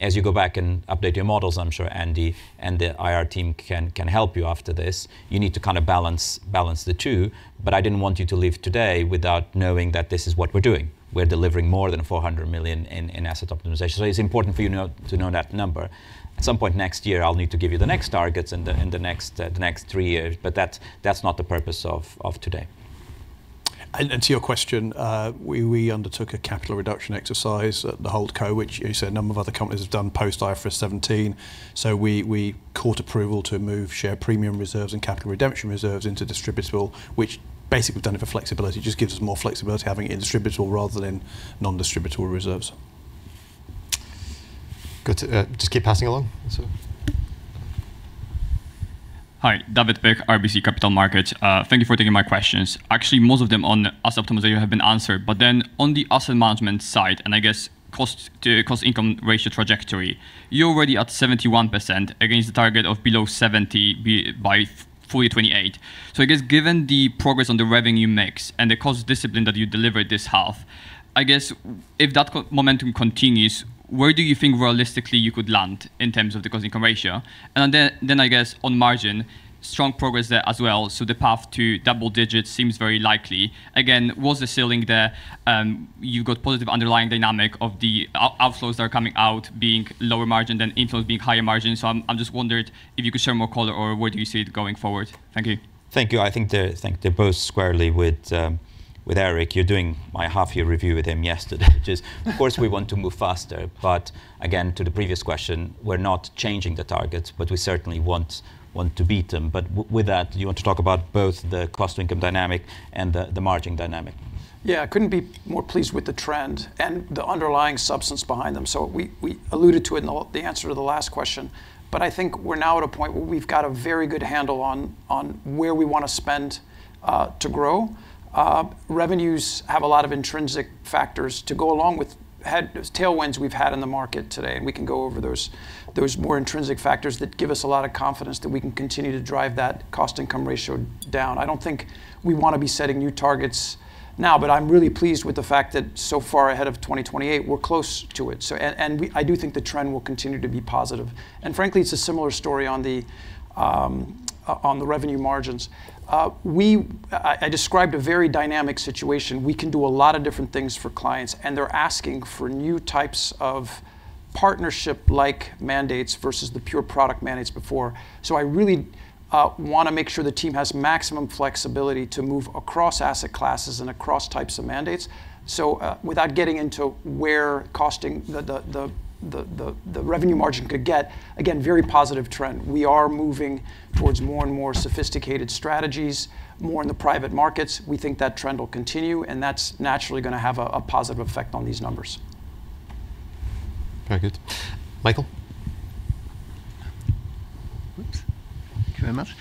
As you go back and update your models, I'm sure Andy and the IR team can help you after this. You need to balance the two, I didn't want you to leave today without knowing that this is what we're doing. We're delivering more than 400 million in asset optimization. It's important for you to know that number. At some point next year, I'll need to give you the next targets and the next three years, that's not the purpose of today. To your question, we undertook a capital reduction exercise at the Holdco, which you said a number of other companies have done post IFRS 17. We caught approval to move share premium reserves and capital redemption reserves into distributable, which basically we've done it for flexibility, just gives us more flexibility having it in distributable rather than non-distributable reserves. Good. Just keep passing along. David Beck, RBC Capital Markets. Thank you for taking my questions. Most of them on asset optimization have been answered. On the asset management side, I guess cost-to-income ratio trajectory, you're already at 71% against the target of below 70% by FY 2028. I guess given the progress on the revenue mix and the cost discipline that you delivered this half, I guess if that momentum continues, where do you think realistically you could land in terms of the cost-income ratio? I guess on margin, strong progress there as well, the path to double digits seems very likely. Again, was the ceiling there, you've got positive underlying dynamic of the outflows that are coming out being lower margin than inflows being higher margin. I just wondered if you could share more color or where do you see it going forward? Thank you. Thank you. I think they're both squarely with Eric. You're doing my half-year review with him yesterday, which is of course we want to move faster, again, to the previous question, we're not changing the targets, we certainly want to beat them. With that, you want to talk about both the cost-to-income dynamic and the margin dynamic. Yeah. I couldn't be more pleased with the trend and the underlying substance behind them. We alluded to it in the answer to the last question, I think we're now at a point where we've got a very good handle on where we want to spend to grow. Revenues have a lot of intrinsic factors to go along with tailwinds we've had in the market today, we can go over those. There is more intrinsic factors that give us a lot of confidence that we can continue to drive that cost-income ratio down. I don't think we want to be setting new targets now, I'm really pleased with the fact that so far ahead of 2028, we're close to it. I do think the trend will continue to be positive. Frankly, it's a similar story on the revenue margins. I described a very dynamic situation. We can do a lot of different things for clients, and they're asking for new types of partnership-like mandates versus the pure product mandates before. I really want to make sure the team has maximum flexibility to move across asset classes and across types of mandates. Without getting into where costing the revenue margin could get, again, very positive trend. We are moving towards more and more sophisticated strategies, more in the private markets. We think that trend will continue, and that's naturally going to have a positive effect on these numbers. Very good. Michael? Thank you very much.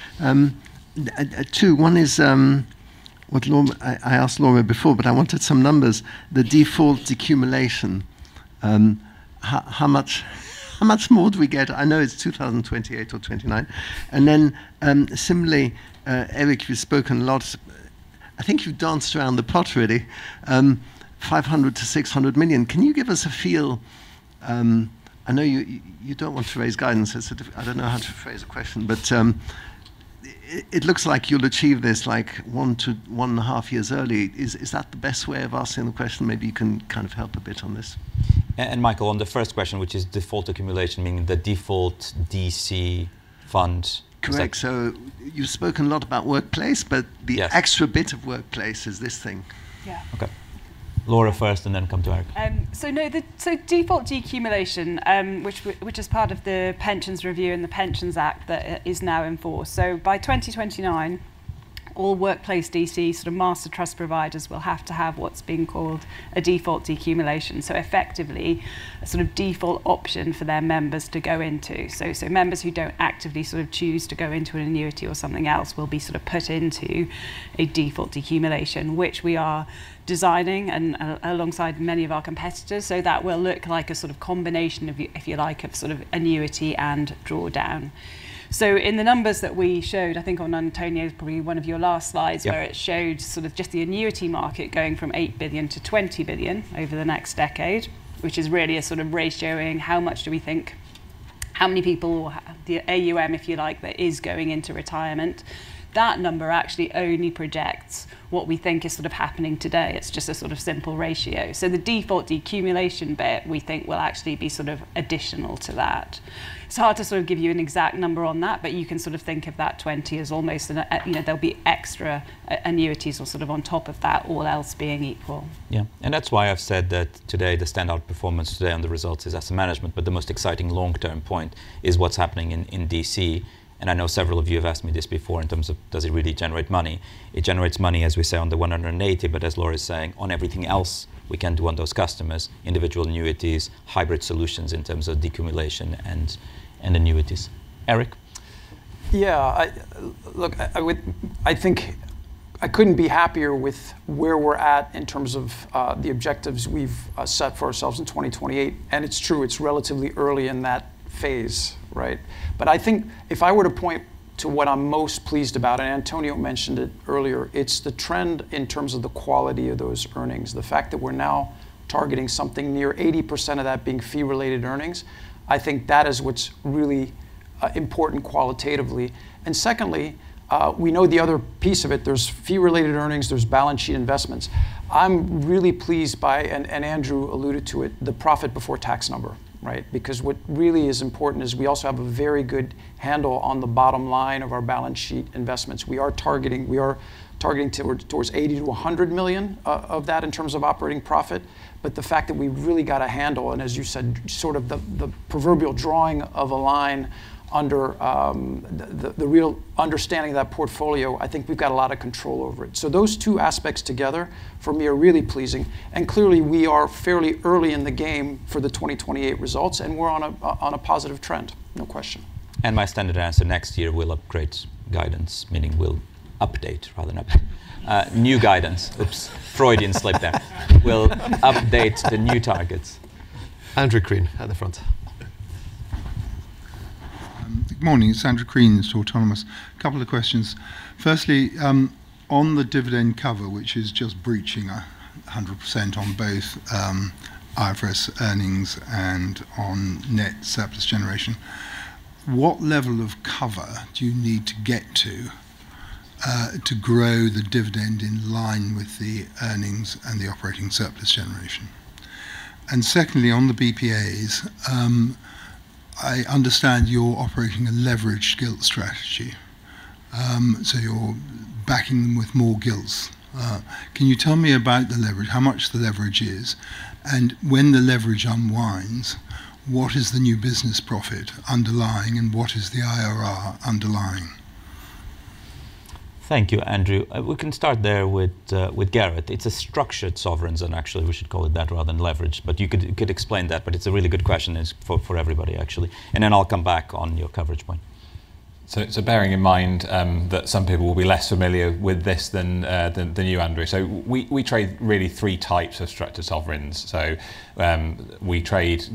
Two. One is, I asked Laura before, but I wanted some numbers. The default deaccumulation. How much more do we get? I know it's 2028 or 2029. Similarly, Eric, you've spoken a lot. I think you've danced around the plot, really. 500 million-600 million. Can you give us a feel? I know you don't want to raise guidance. I don't know how to phrase the question, it looks like you'll achieve this one to one and a half years early. Is that the best way of asking the question? Maybe you can kind of help a bit on this. Michael, on the first question, which is default accumulation, meaning the default DC fund. Correct. You've spoken a lot about workplace the extra bit of workplace is this thing. Yeah. Okay. Laura first, then come to Eric. Default deaccumulation, which is part of the pensions review and the Pensions Act that is now in force. By 2029, all workplace DC master trust providers will have to have what's being called a default deaccumulation. Effectively, a sort of default option for their members to go into. Members who don't actively choose to go into an annuity or something else will be put into a default deaccumulation, which we are designing, and alongside many of our competitors. That will look like a sort of combination, if you like, of annuity and drawdown. In the numbers that we showed, I think on António's, probably one of your last. Where it showed sort of just the annuity market going from 8 billion-20 billion over the next decade, which is really a sort of ratio in how much do we think, how many people will have the AUM, if you like, that is going into retirement. That number actually only projects what we think is sort of happening today. It's just a sort of simple ratio. The default deaccumulation bit, we think will actually be sort of additional to that. It's hard to give you an exact number on that, but you can sort of think of that 20 billion as almost there'll be extra annuities or sort of on top of that, all else being equal. Yeah. That's why I've said that today, the standout performance today on the results is asset management, but the most exciting long-term point is what's happening in DC. I know several of you have asked me this before in terms of does it really generate money. It generates money, as we say, on the 180, but as Laura is saying, on everything else we can do on those customers, individual annuities, hybrid solutions in terms of deaccumulation and annuities. Eric? Yeah. Look, I think I couldn't be happier with where we're at in terms of the objectives we've set for ourselves in 2028. It's true, it's relatively early in that phase, right? I think if I were to point to what I'm most pleased about, António mentioned it earlier, it's the trend in terms of the quality of those earnings. The fact that we're now targeting something near 80% of that being fee-related earnings, I think that is what's really important qualitatively. Secondly, we know the other piece of it. There's fee-related earnings, there's balance sheet investments. I'm really pleased by, Andrew alluded to it, the profit before tax number, right? Because what really is important is we also have a very good handle on the bottom line of our balance sheet investments. We are targeting towards 80 million-100 million of that in terms of operating profit. The fact that we've really got a handle on, as you said, sort of the proverbial drawing of a line under the real understanding of that portfolio, I think we've got a lot of control over it. Those two aspects together for me are really pleasing. Clearly, we are fairly early in the game for the 2028 results, and we're on a positive trend, no question. My standard answer, next year, we'll update guidance, meaning we'll update rather than new. New guidance. Oops, Freudian slip there. We'll update the new targets. Andrew Crean at the front. Good morning. It's Andrew Crean. It's Autonomous. Couple of questions. Firstly, on the dividend cover, which is just breaching 100% on both IFRS earnings and on net surplus generation, what level of cover do you need to get to grow the dividend in line with the earnings and the operating surplus generation? Secondly, on the BPAs, I understand you're operating a leverage gilt strategy, so you're backing with more gilts. Can you tell me about the leverage, how much the leverage is, and when the leverage unwinds, what is the new business profit underlying, and what is the IRR underlying? Thank you, Andrew. We can start there with Gareth. It's a structured sovereigns, actually we should call it that rather than leverage. You could explain that, but it's a really good question for everybody, actually. Then I'll come back on your coverage point. Bearing in mind that some people will be less familiar with this than you, Andrew. We trade really three types of structured sovereigns. We trade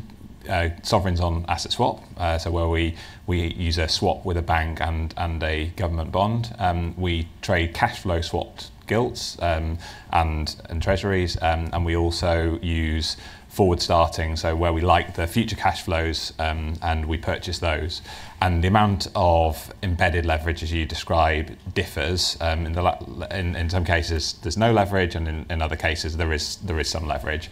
sovereigns on asset swap, where we use a swap with a bank and a government bond. We trade cash flow swapped gilts and treasuries, and we also use forward starting, where we like the future cash flows, and we purchase those. The amount of embedded leverage, as you describe, differs. In some cases there's no leverage, and in other cases there is some leverage.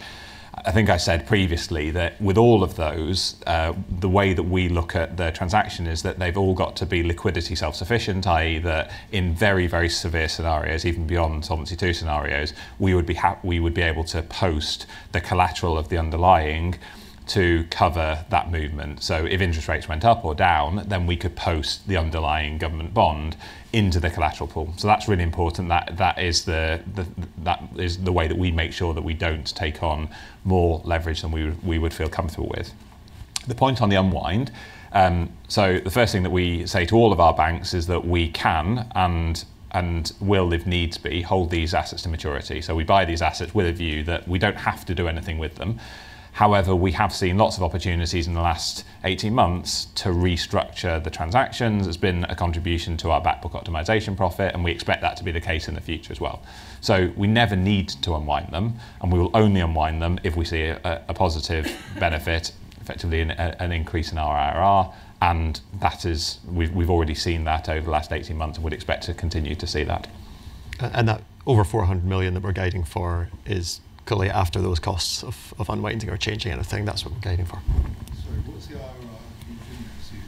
I think I said previously that with all of those, the way that we look at the transaction is that they've all got to be liquidity self-sufficient, i.e., that in very severe scenarios, even beyond Solvency II scenarios, we would be able to post the collateral of the underlying to cover that movement. If interest rates went up or down, we could post the underlying government bond into the collateral pool. That's really important. That is the way that we make sure that we don't take on more leverage than we would feel comfortable with. The point on the unwind. The first thing that we say to all of our banks is that we can and will, if needs be, hold these assets to maturity. We buy these assets with a view that we don't have to do anything with them. However, we have seen lots of opportunities in the last 18 months to restructure the transactions. It's been a contribution to our back book optimization profit, and we expect that to be the case in the future as well. We never need to unwind them, and we will only unwind them if we see a positive benefit, effectively an increase in our IRR. We've already seen that over the last 18 months and would expect to continue to see that. That over 400 million that we're guiding for is clearly after those costs of unwinding or changing anything. That's what we're guiding for. Sorry, what's the IRR if you didn't execute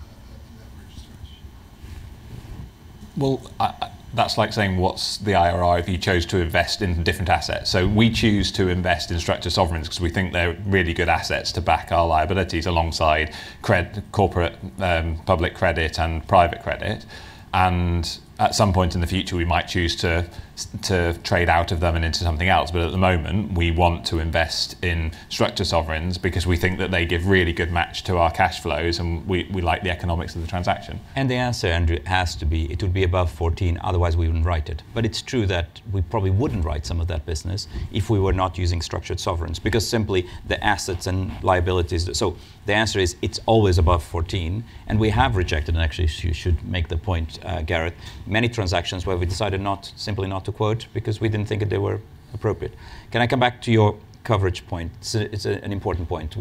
a leverage strategy? That's like saying what's the IRR if you chose to invest in different assets. We choose to invest in structured sovereigns because we think they're really good assets to back our liabilities alongside corporate public credit and private credit. At some point in the future, we might choose to trade out of them and into something else. At the moment, we want to invest in structured sovereigns because we think that they give really good match to our cash flows, and we like the economics of the transaction. The answer, Andrew, has to be, it would be above 14, otherwise we wouldn't write it. It's true that we probably wouldn't write some of that business if we were not using structured sovereigns, because simply the assets and liabilities The answer is, it's always above 14, and we have rejected, and actually you should make the point, Gareth, many transactions where we decided simply not to quote because we didn't think that they were appropriate. Can I come back to your coverage point? It's an important point.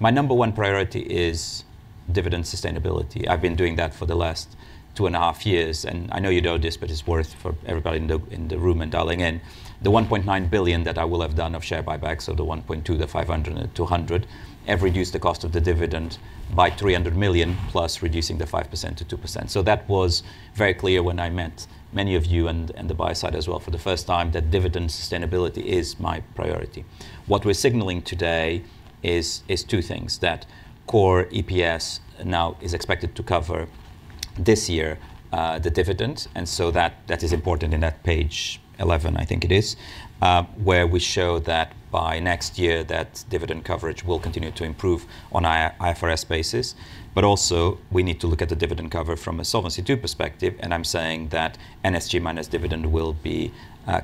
My number one priority is dividend sustainability. I've been doing that for the last two and a half years, and I know you know this, but it's worth for everybody in the room and dialing in. The 1.9 billion that I will have done of share buybacks. The 1.2, the 500, and the 200 have reduced the cost of the dividend by 300 million, plus reducing the 5%-2%. That was very clear when I met many of you and the buy side as well for the first time, that dividend sustainability is my priority. What we're signaling today is two things, that core EPS now is expected to cover this year the dividend, and so that is important in that page, 11 I think it is, where we show that by next year, that dividend coverage will continue to improve on IFRS basis. Also, we need to look at the dividend cover from a Solvency II perspective, and I'm saying that NSG minus dividend will be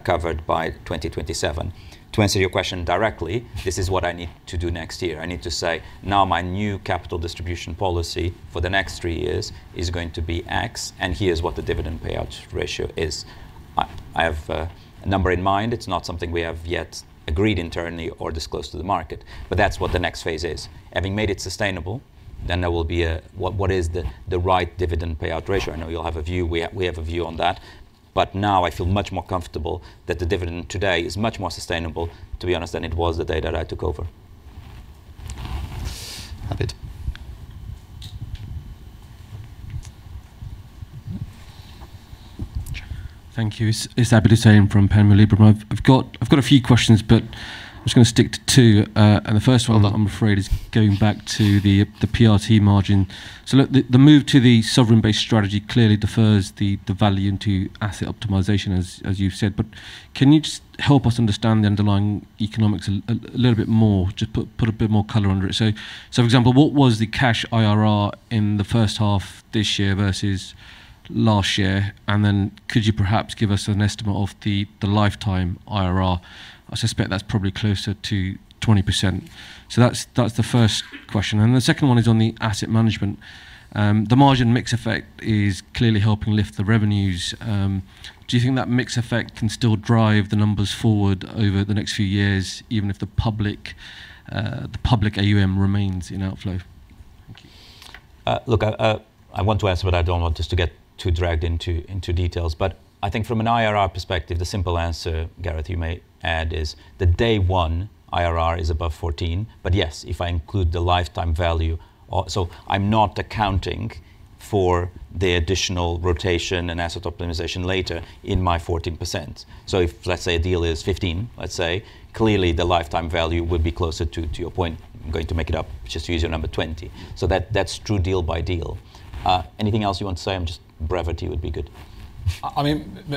covered by 2027. To answer your question directly, this is what I need to do next year. I need to say, my new capital distribution policy for the next three years is going to be X, here's what the dividend payout ratio is. I have a number in mind. It's not something we have yet agreed internally or disclosed to the market, that's what the next phase is. Having made it sustainable, there will be what is the right dividend payout ratio? I know you'll have a view. We have a view on that. Now I feel much more comfortable that the dividend today is much more sustainable, to be honest, than it was the day that I took over. Abid. Thank you. It's Abid Hussain from Panmure Liberum. I've got a few questions. I'm just going to stick to two. The first one, I'm afraid, is going back to the PRT margin. Look, the move to the sovereign based strategy clearly defers the value into asset optimization, as you've said. Can you just help us understand the underlying economics a little bit more, just put a bit more color under it? For example, what was the cash IRR in the first half this year versus last year? Then could you perhaps give us an estimate of the lifetime IRR? I suspect that's probably closer to 20%. That's the first question. The second one is on the asset management. The margin mix effect is clearly helping lift the revenues. Do you think that mix effect can still drive the numbers forward over the next few years, even if the public AUM remains in outflow? Thank you. I want to answer, I don't want just to get too dragged into details. I think from an IRR perspective, the simple answer, Gareth, you may add, is the day one IRR is above 14. Yes, if I include the lifetime value. I'm not accounting for the additional rotation and asset optimization later in my 14%. If, let's say, a deal is 15, let's say, clearly the lifetime value would be closer, to your point, I'm going to make it up, just use your number 20. That's true deal by deal. Anything else you want to say? Just brevity would be good.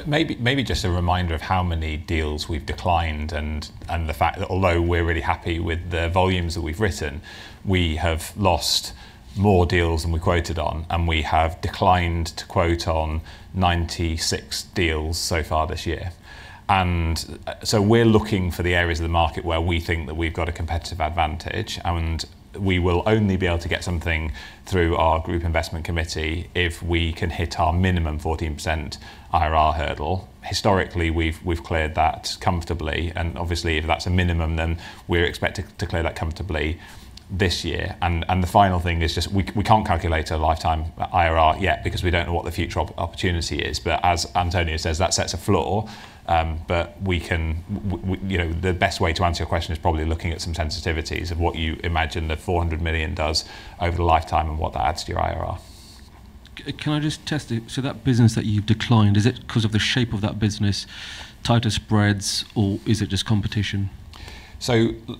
Maybe just a reminder of how many deals we've declined, and the fact that although we're really happy with the volumes that we've written, we have lost more deals than we quoted on, and we have declined to quote on 96 deals so far this year. We're looking for the areas of the market where we think that we've got a competitive advantage, and we will only be able to get something through our group investment committee if we can hit our minimum 14% IRR hurdle. Historically, we've cleared that comfortably, and obviously if that's a minimum, then we're expected to clear that comfortably this year. The final thing is just we can't calculate a lifetime IRR yet because we don't know what the future opportunity is. As António says, that sets a floor. The best way to answer your question is probably looking at some sensitivities of what you imagine that 400 million does over the lifetime and what that adds to your IRR. Can I just test it? That business that you've declined, is it because of the shape of that business, tighter spreads, or is it just competition?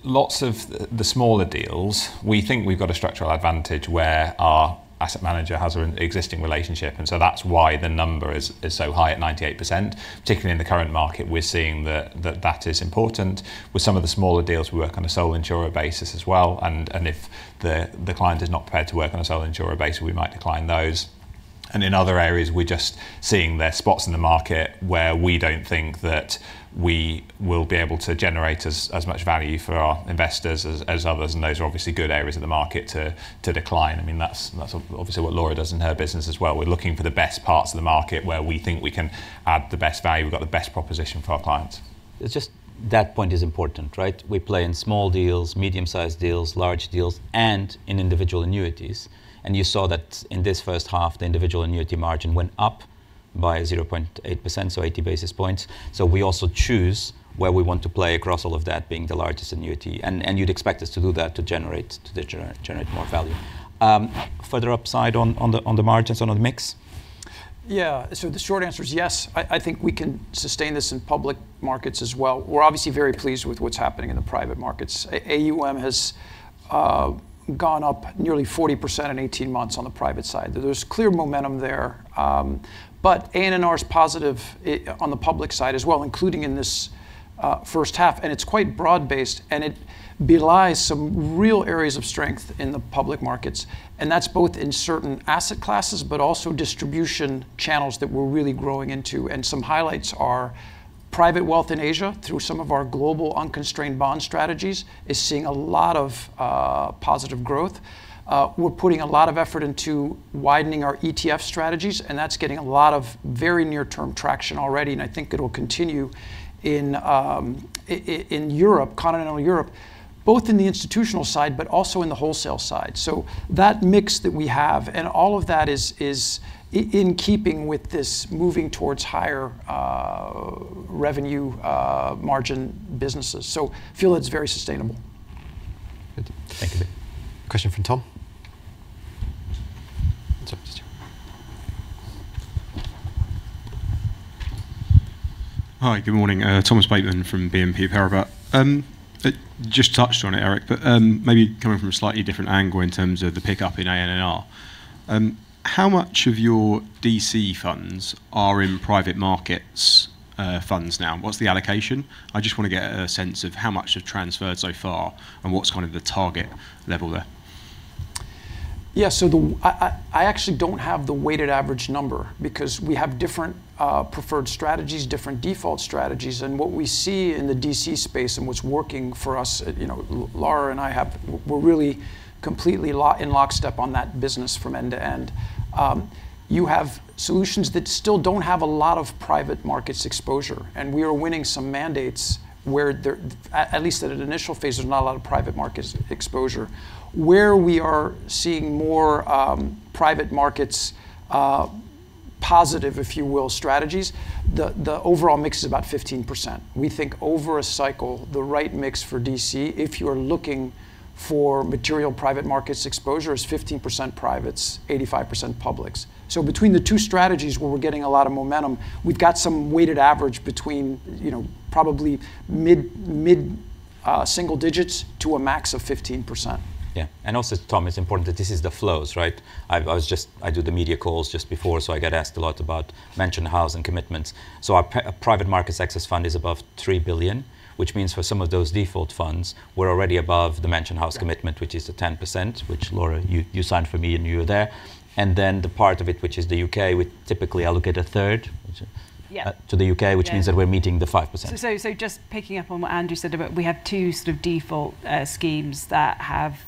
Lots of the smaller deals, we think we've got a structural advantage where our asset manager has an existing relationship, and so that's why the number is so high at 98%, particularly in the current market. We're seeing that that is important. With some of the smaller deals, we work on a sole insurer basis as well, and if the client is not prepared to work on a sole insurer basis, we might decline those. In other areas, we're just seeing there are spots in the market where we don't think that we will be able to generate as much value for our investors as others, and those are obviously good areas of the market to decline. That's obviously what Laura does in her business as well. We're looking for the best parts of the market where we think we can add the best value. We've got the best proposition for our clients. It's just that point is important, right? We play in small deals, medium sized deals, large deals, and in individual annuities. You saw that in this first half, the individual annuity margin went up by 0.8%, so 80 basis points. We also choose where we want to play across all of that being the largest annuity. You'd expect us to do that to generate more value. Further upside on the margins or on the mix? Yeah. The short answer is yes. I think we can sustain this in public markets as well. We're obviously very pleased with what's happening in the private markets. AUM has gone up nearly 40% in 18 months on the private side. There's clear momentum there. ANR is positive on the public side as well, including in this first half, and it's quite broad based, and it belies some real areas of strength in the public markets, and that's both in certain asset classes, but also distribution channels that we're really growing into. Some highlights are private wealth in Asia through some of our global unconstrained bond strategies is seeing a lot of positive growth. We're putting a lot of effort into widening our ETF strategies, and that's getting a lot of very near term traction already, and I think it'll continue in continental Europe, both in the institutional side, but also in the wholesale side. That mix that we have and all of that is in keeping with this moving towards higher revenue margin businesses. Feel it's very sustainable. Good. Thank you, question from Tom? Tom, just here. Hi. Good morning. Thomas Bateman from BNP Paribas. Just touched on it, Eric, but maybe coming from a slightly different angle in terms of the pickup in ANR. How much of your DC funds are in private markets funds now? What's the allocation? I just want to get a sense of how much have transferred so far and what's kind of the target level there. Yeah. I actually don't have the weighted average number because we have different preferred strategies, different default strategies, and what we see in the DC space and what's working for us, Laura and I, we're really completely in lockstep on that business from end to end. You have solutions that still don't have a lot of private markets exposure, and we are winning some mandates where there, at least at an initial phase, there's not a lot of private markets exposure. Where we are seeing more private markets positive, if you will, strategies, the overall mix is about 15%. We think over a cycle, the right mix for DC, if you're looking for material private markets exposure, is 15% privates, 85% publics. Between the two strategies where we're getting a lot of momentum, we've got some weighted average between probably mid-single digits to a max of 15%. Yeah. Also, Tom, it's important that this is the flows, right? I do the media calls just before, so I get asked a lot about Mansion House and commitments. Our Private Markets Access Fund is above 3 billion, which means for some of those default funds, we're already above the Mansion House commitment, which is the 10%, which Laura, you signed for me and you were there. The part of it, which is the U.K., we typically allocate a third. Yeah To the U.K., which means that we're meeting the 5%. Just picking up on what Andrew said about we have two default schemes that have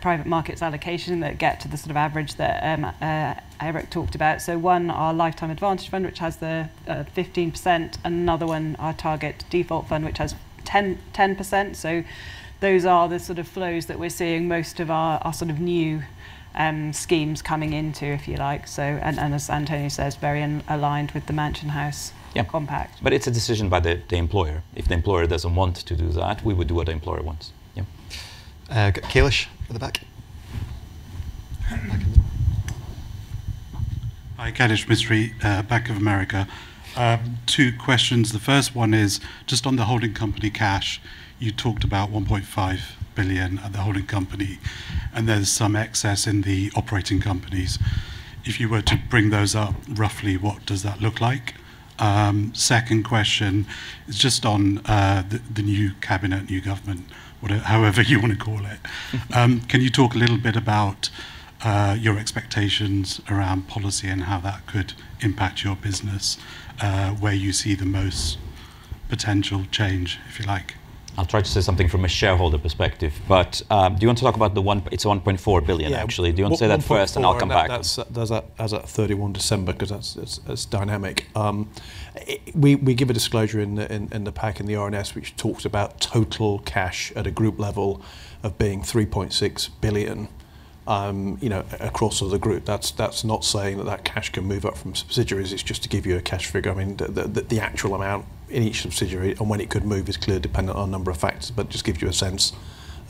private markets allocation that get to the average that Eric talked about. One, our L&G Lifetime Advantage Fund, which has the 15%, another one, our Target Date Fund, which has 10%. Those are the flows that we're seeing most of our new schemes coming into, if you like. As António says, very aligned with the Mansion House Compact. It's a decision by the employer. If the employer doesn't want to do that, we would do what the employer wants. Yeah. I've got [inaudible] at the back. Hi. [inaudible] Two questions. The first one is just on the holding company cash. You talked about 1.5 billion at the holding company, and there's some excess in the operating companies. If you were to bring those up, roughly, what does that look like? Second question is just on the new cabinet, new government, however you want to call it. Can you talk a little bit about your expectations around policy and how that could impact your business, where you see the most potential change, if you like? I'll try to say something from a shareholder perspective. Do you want to talk about the, it's 1.4 billion, actually. Yeah. Do you want to say that first, and I'll come back. That's as at 31 December, because that's dynamic. We give a disclosure in the pack, in the RNS, which talks about total cash at a group level of being 3.6 billion across the group. That's not saying that that cash can move up from subsidiaries. It's just to give you a cash figure. I mean, the actual amount in each subsidiary and when it could move is clearly dependent on a number of factors, but just gives you a sense,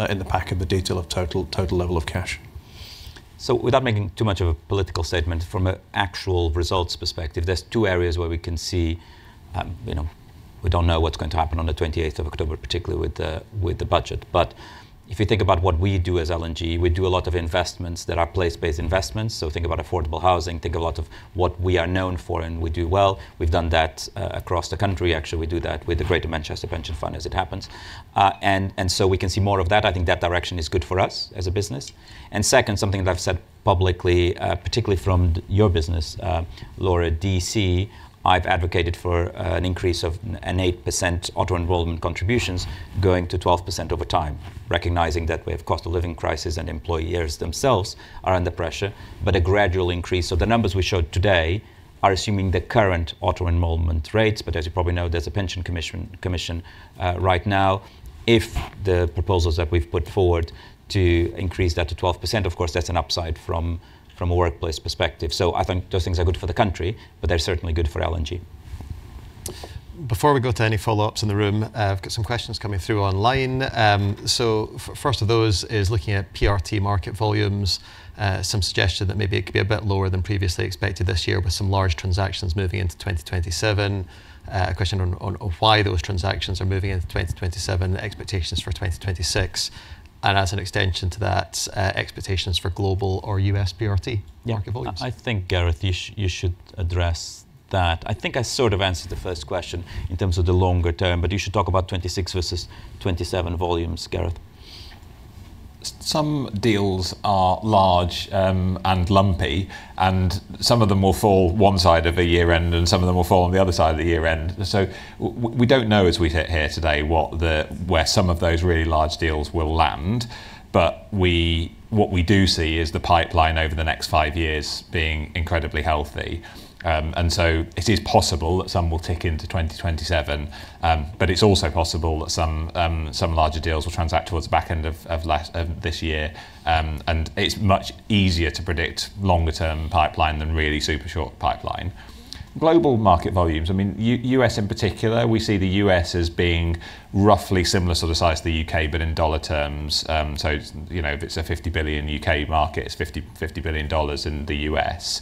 in the pack, of the detail of total level of cash. Without making too much of a political statement, from an actual results perspective, there's two areas where we can see, we don't know what's going to happen on the 28th of October, particularly with the budget. If you think about what we do as L&G, we do a lot of investments that are place-based investments. Think about affordable housing, think a lot of what we are known for and we do well. We've done that across the country, actually. We do that with the Greater Manchester Pension Fund, as it happens. We can see more of that. I think that direction is good for us as a business. Second, something that I've said publicly, particularly from your business, Laura, DC, I've advocated for an increase of an 8% auto-enrollment contributions going to 12% over time, recognizing that we have cost of living crisis and employers themselves are under pressure, but a gradual increase. The numbers we showed today are assuming the current auto-enrollment rates, as you probably know, there's a pension commission right now. If the proposals that we've put forward to increase that to 12%, of course, that's an upside from a workplace perspective. I think those things are good for the country, but they're certainly good for L&G. Before we go to any follow-ups in the room, I've got some questions coming through online. First of those is looking at PRT market volumes. Some suggestion that maybe it could be a bit lower than previously expected this year with some large transactions moving into 2027. A question on why those transactions are moving into 2027, expectations for 2026, and as an extension to that, expectations for global or U.S. PRT market volumes. Yeah. I think, Gareth, you should address that. I think I sort of answered the first question in terms of the longer term, you should talk about 2026 versus 2027 volumes, Gareth. Some deals are large and lumpy, and some of them will fall one side of a year-end, and some of them will fall on the other side of the year-end. We don't know as we sit here today where some of those really large deals will land. What we do see is the pipeline over the next five years being incredibly healthy. It is possible that some will tick into 2027. It's also possible that some larger deals will transact towards the back end of this year. It's much easier to predict longer term pipeline than really super short pipeline. Global market volumes, U.S. in particular, we see the U.S. as being roughly similar sort of size to the U.K., but in dollar terms. If it's a 50 billion U.K. market, it's $50 billion in the U.S.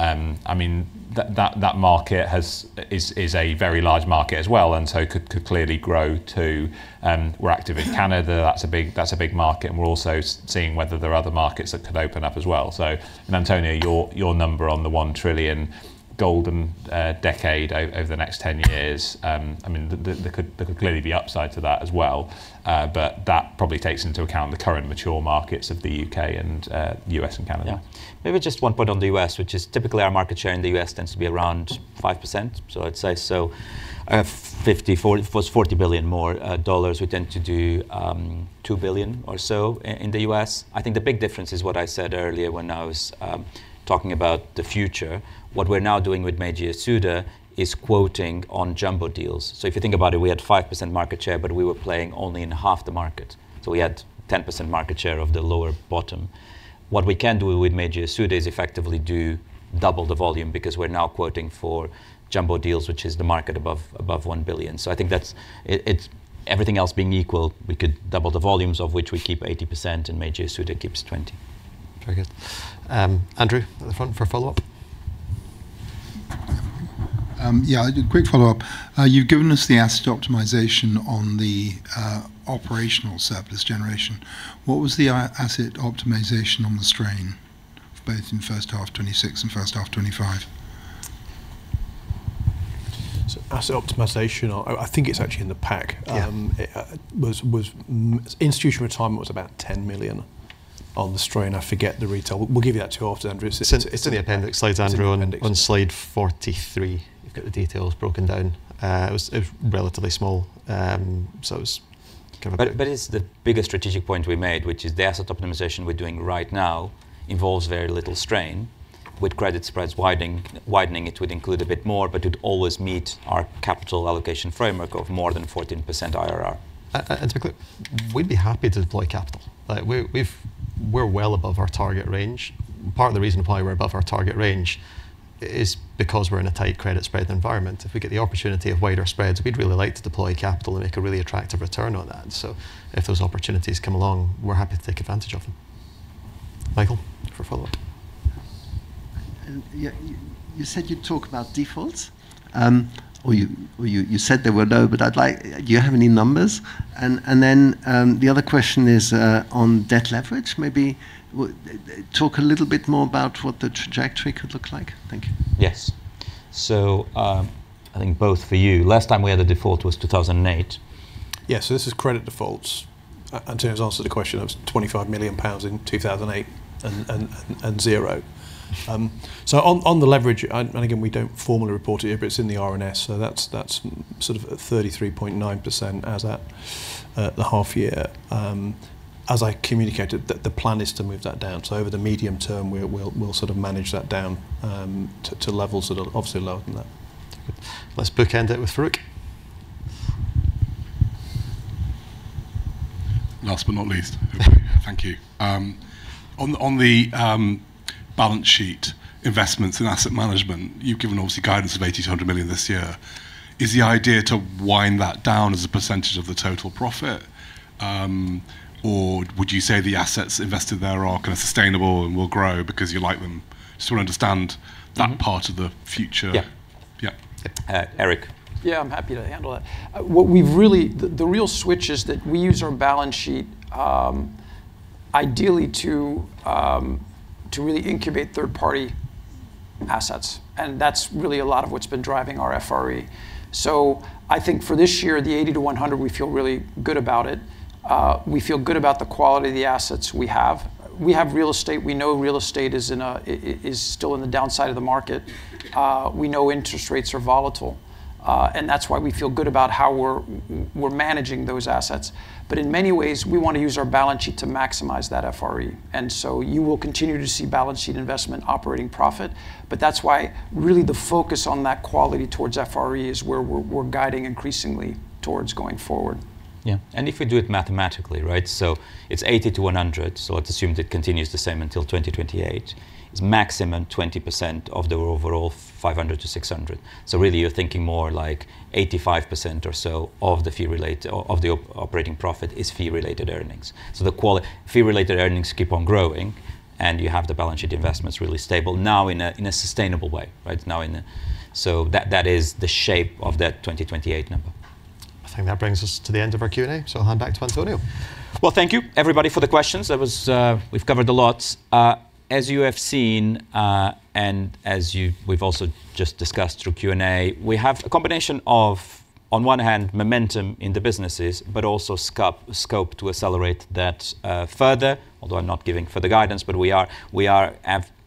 That market is a very large market as well, and so could clearly grow, too. We're active in Canada. That's a big market, and we're also seeing whether there are other markets that could open up as well. António, your number on the 1 trillion golden decade over the next 10 years, there could clearly be upside to that as well. That probably takes into account the current mature markets of the U.K. and U.S. and Canada. Yeah. Maybe just one point on the U.S., which is typically our market share in the U.S. tends to be around 5%. I'd say, if it was $40 billion more, we tend to do $2 billion or so in the U.S. I think the big difference is what I said earlier when I was talking about the future. What we're now doing with Meiji Yasuda is quoting on jumbo deals. If you think about it, we had 5% market share, but we were playing only in half the market. We had 10% market share of the lower bottom. What we can do with Meiji Yasuda is effectively do double the volume because we're now quoting for jumbo deals, which is the market above $1 billion. I think everything else being equal, we could double the volumes of which we keep 80% and Meiji Yasuda keeps 20%. Very good. Andrew at the front for a follow-up. A quick follow-up. You've given us the asset optimization on the operational surplus generation. What was the asset optimization on the strain, both in first half 2026 and first half 2025? Asset optimization, I think it's actually in the pack. Yeah. Institutional retirement was about 10 million on the strain. I forget the retail. We'll give you that too after, Andrew. It's in the appendix slides, Andrew. It's in the appendix. On slide 43, you've got the details broken down. It was relatively small. It was kind of. It's the biggest strategic point we made, which is the asset optimization we're doing right now involves very little strain. With credit spreads widening, it would include a bit more, but it would always meet our capital allocation framework of more than 14% IRR. To be clear, we'd be happy to deploy capital. We're well above our target range. Part of the reason why we're above our target range is because we're in a tight credit spread environment. If we get the opportunity of wider spreads, we'd really like to deploy capital and make a really attractive return on that. If those opportunities come along, we're happy to take advantage of them. Michael, for follow-up. You said you'd talk about defaults. You said there were no, but do you have any numbers? Then, the other question is, on debt leverage, maybe talk a little bit more about what the trajectory could look like. Thank you. Yes. I think both for you. Last time we had a default was 2008. Yeah, this is credit defaults. António's answered the question. It was 25 million pounds in 2008 and 0. On the leverage, and again, we don't formally report it here, but it's in the R&S, that's sort of 33.9% as at the half year. As I communicated, the plan is to move that down. Over the medium term, we'll manage that down, to levels that are obviously lower than that. Let's bookend it with Farooq. Last but not least. Thank you. On the balance sheet investments in asset management, you've given obviously guidance of 80 million-100 million this year. Is the idea to wind that down as a percentage of the total profit? Or would you say the assets invested there are sustainable and will grow because you like them? Just want to understand that part of the future. Yeah. Eric. Yeah, I'm happy to handle that. The real switch is that we use our balance sheet ideally to really incubate third-party assets, and that's really a lot of what's been driving our FRE. I think for this year, the 80 million-100 million, we feel really good about it. We feel good about the quality of the assets we have. We have real estate. We know real estate is still in the downside of the market. We know interest rates are volatile. That's why we feel good about how we're managing those assets. In many ways, we want to use our balance sheet to maximize that FRE. You will continue to see balance sheet investment operating profit. That's why really the focus on that quality towards FRE is where we're guiding increasingly towards going forward. Yeah. If we do it mathematically, right, it's 80-100, let's assume it continues the same until 2028. It's maximum 20% of the overall 500-600. Really you're thinking more like 85% or so of the operating profit is fee-related earnings. The fee-related earnings keep on growing, and you have the balance sheet investments really stable now in a sustainable way. Right. That is the shape of that 2028 number. I think that brings us to the end of our Q&A, so I'll hand back to António. Well, thank you everybody for the questions. We've covered a lot. As you have seen, and as we've also just discussed through Q&A, we have a combination of, on one hand, momentum in the businesses, but also scope to accelerate that further. Although I'm not giving further guidance, but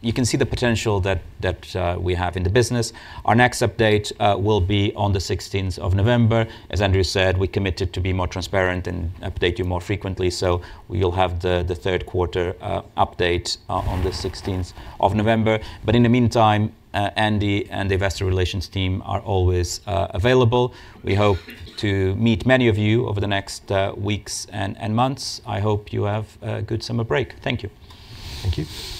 you can see the potential that we have in the business. Our next update will be on the 16th of November. As Andrew said, we committed to be more transparent and update you more frequently, so you'll have the third quarter update on the 16th of November. In the meantime, Andy and the Investor Relations team are always available. We hope to meet many of you over the next weeks and months. I hope you have a good summer break. Thank you. Thank you. Thanks.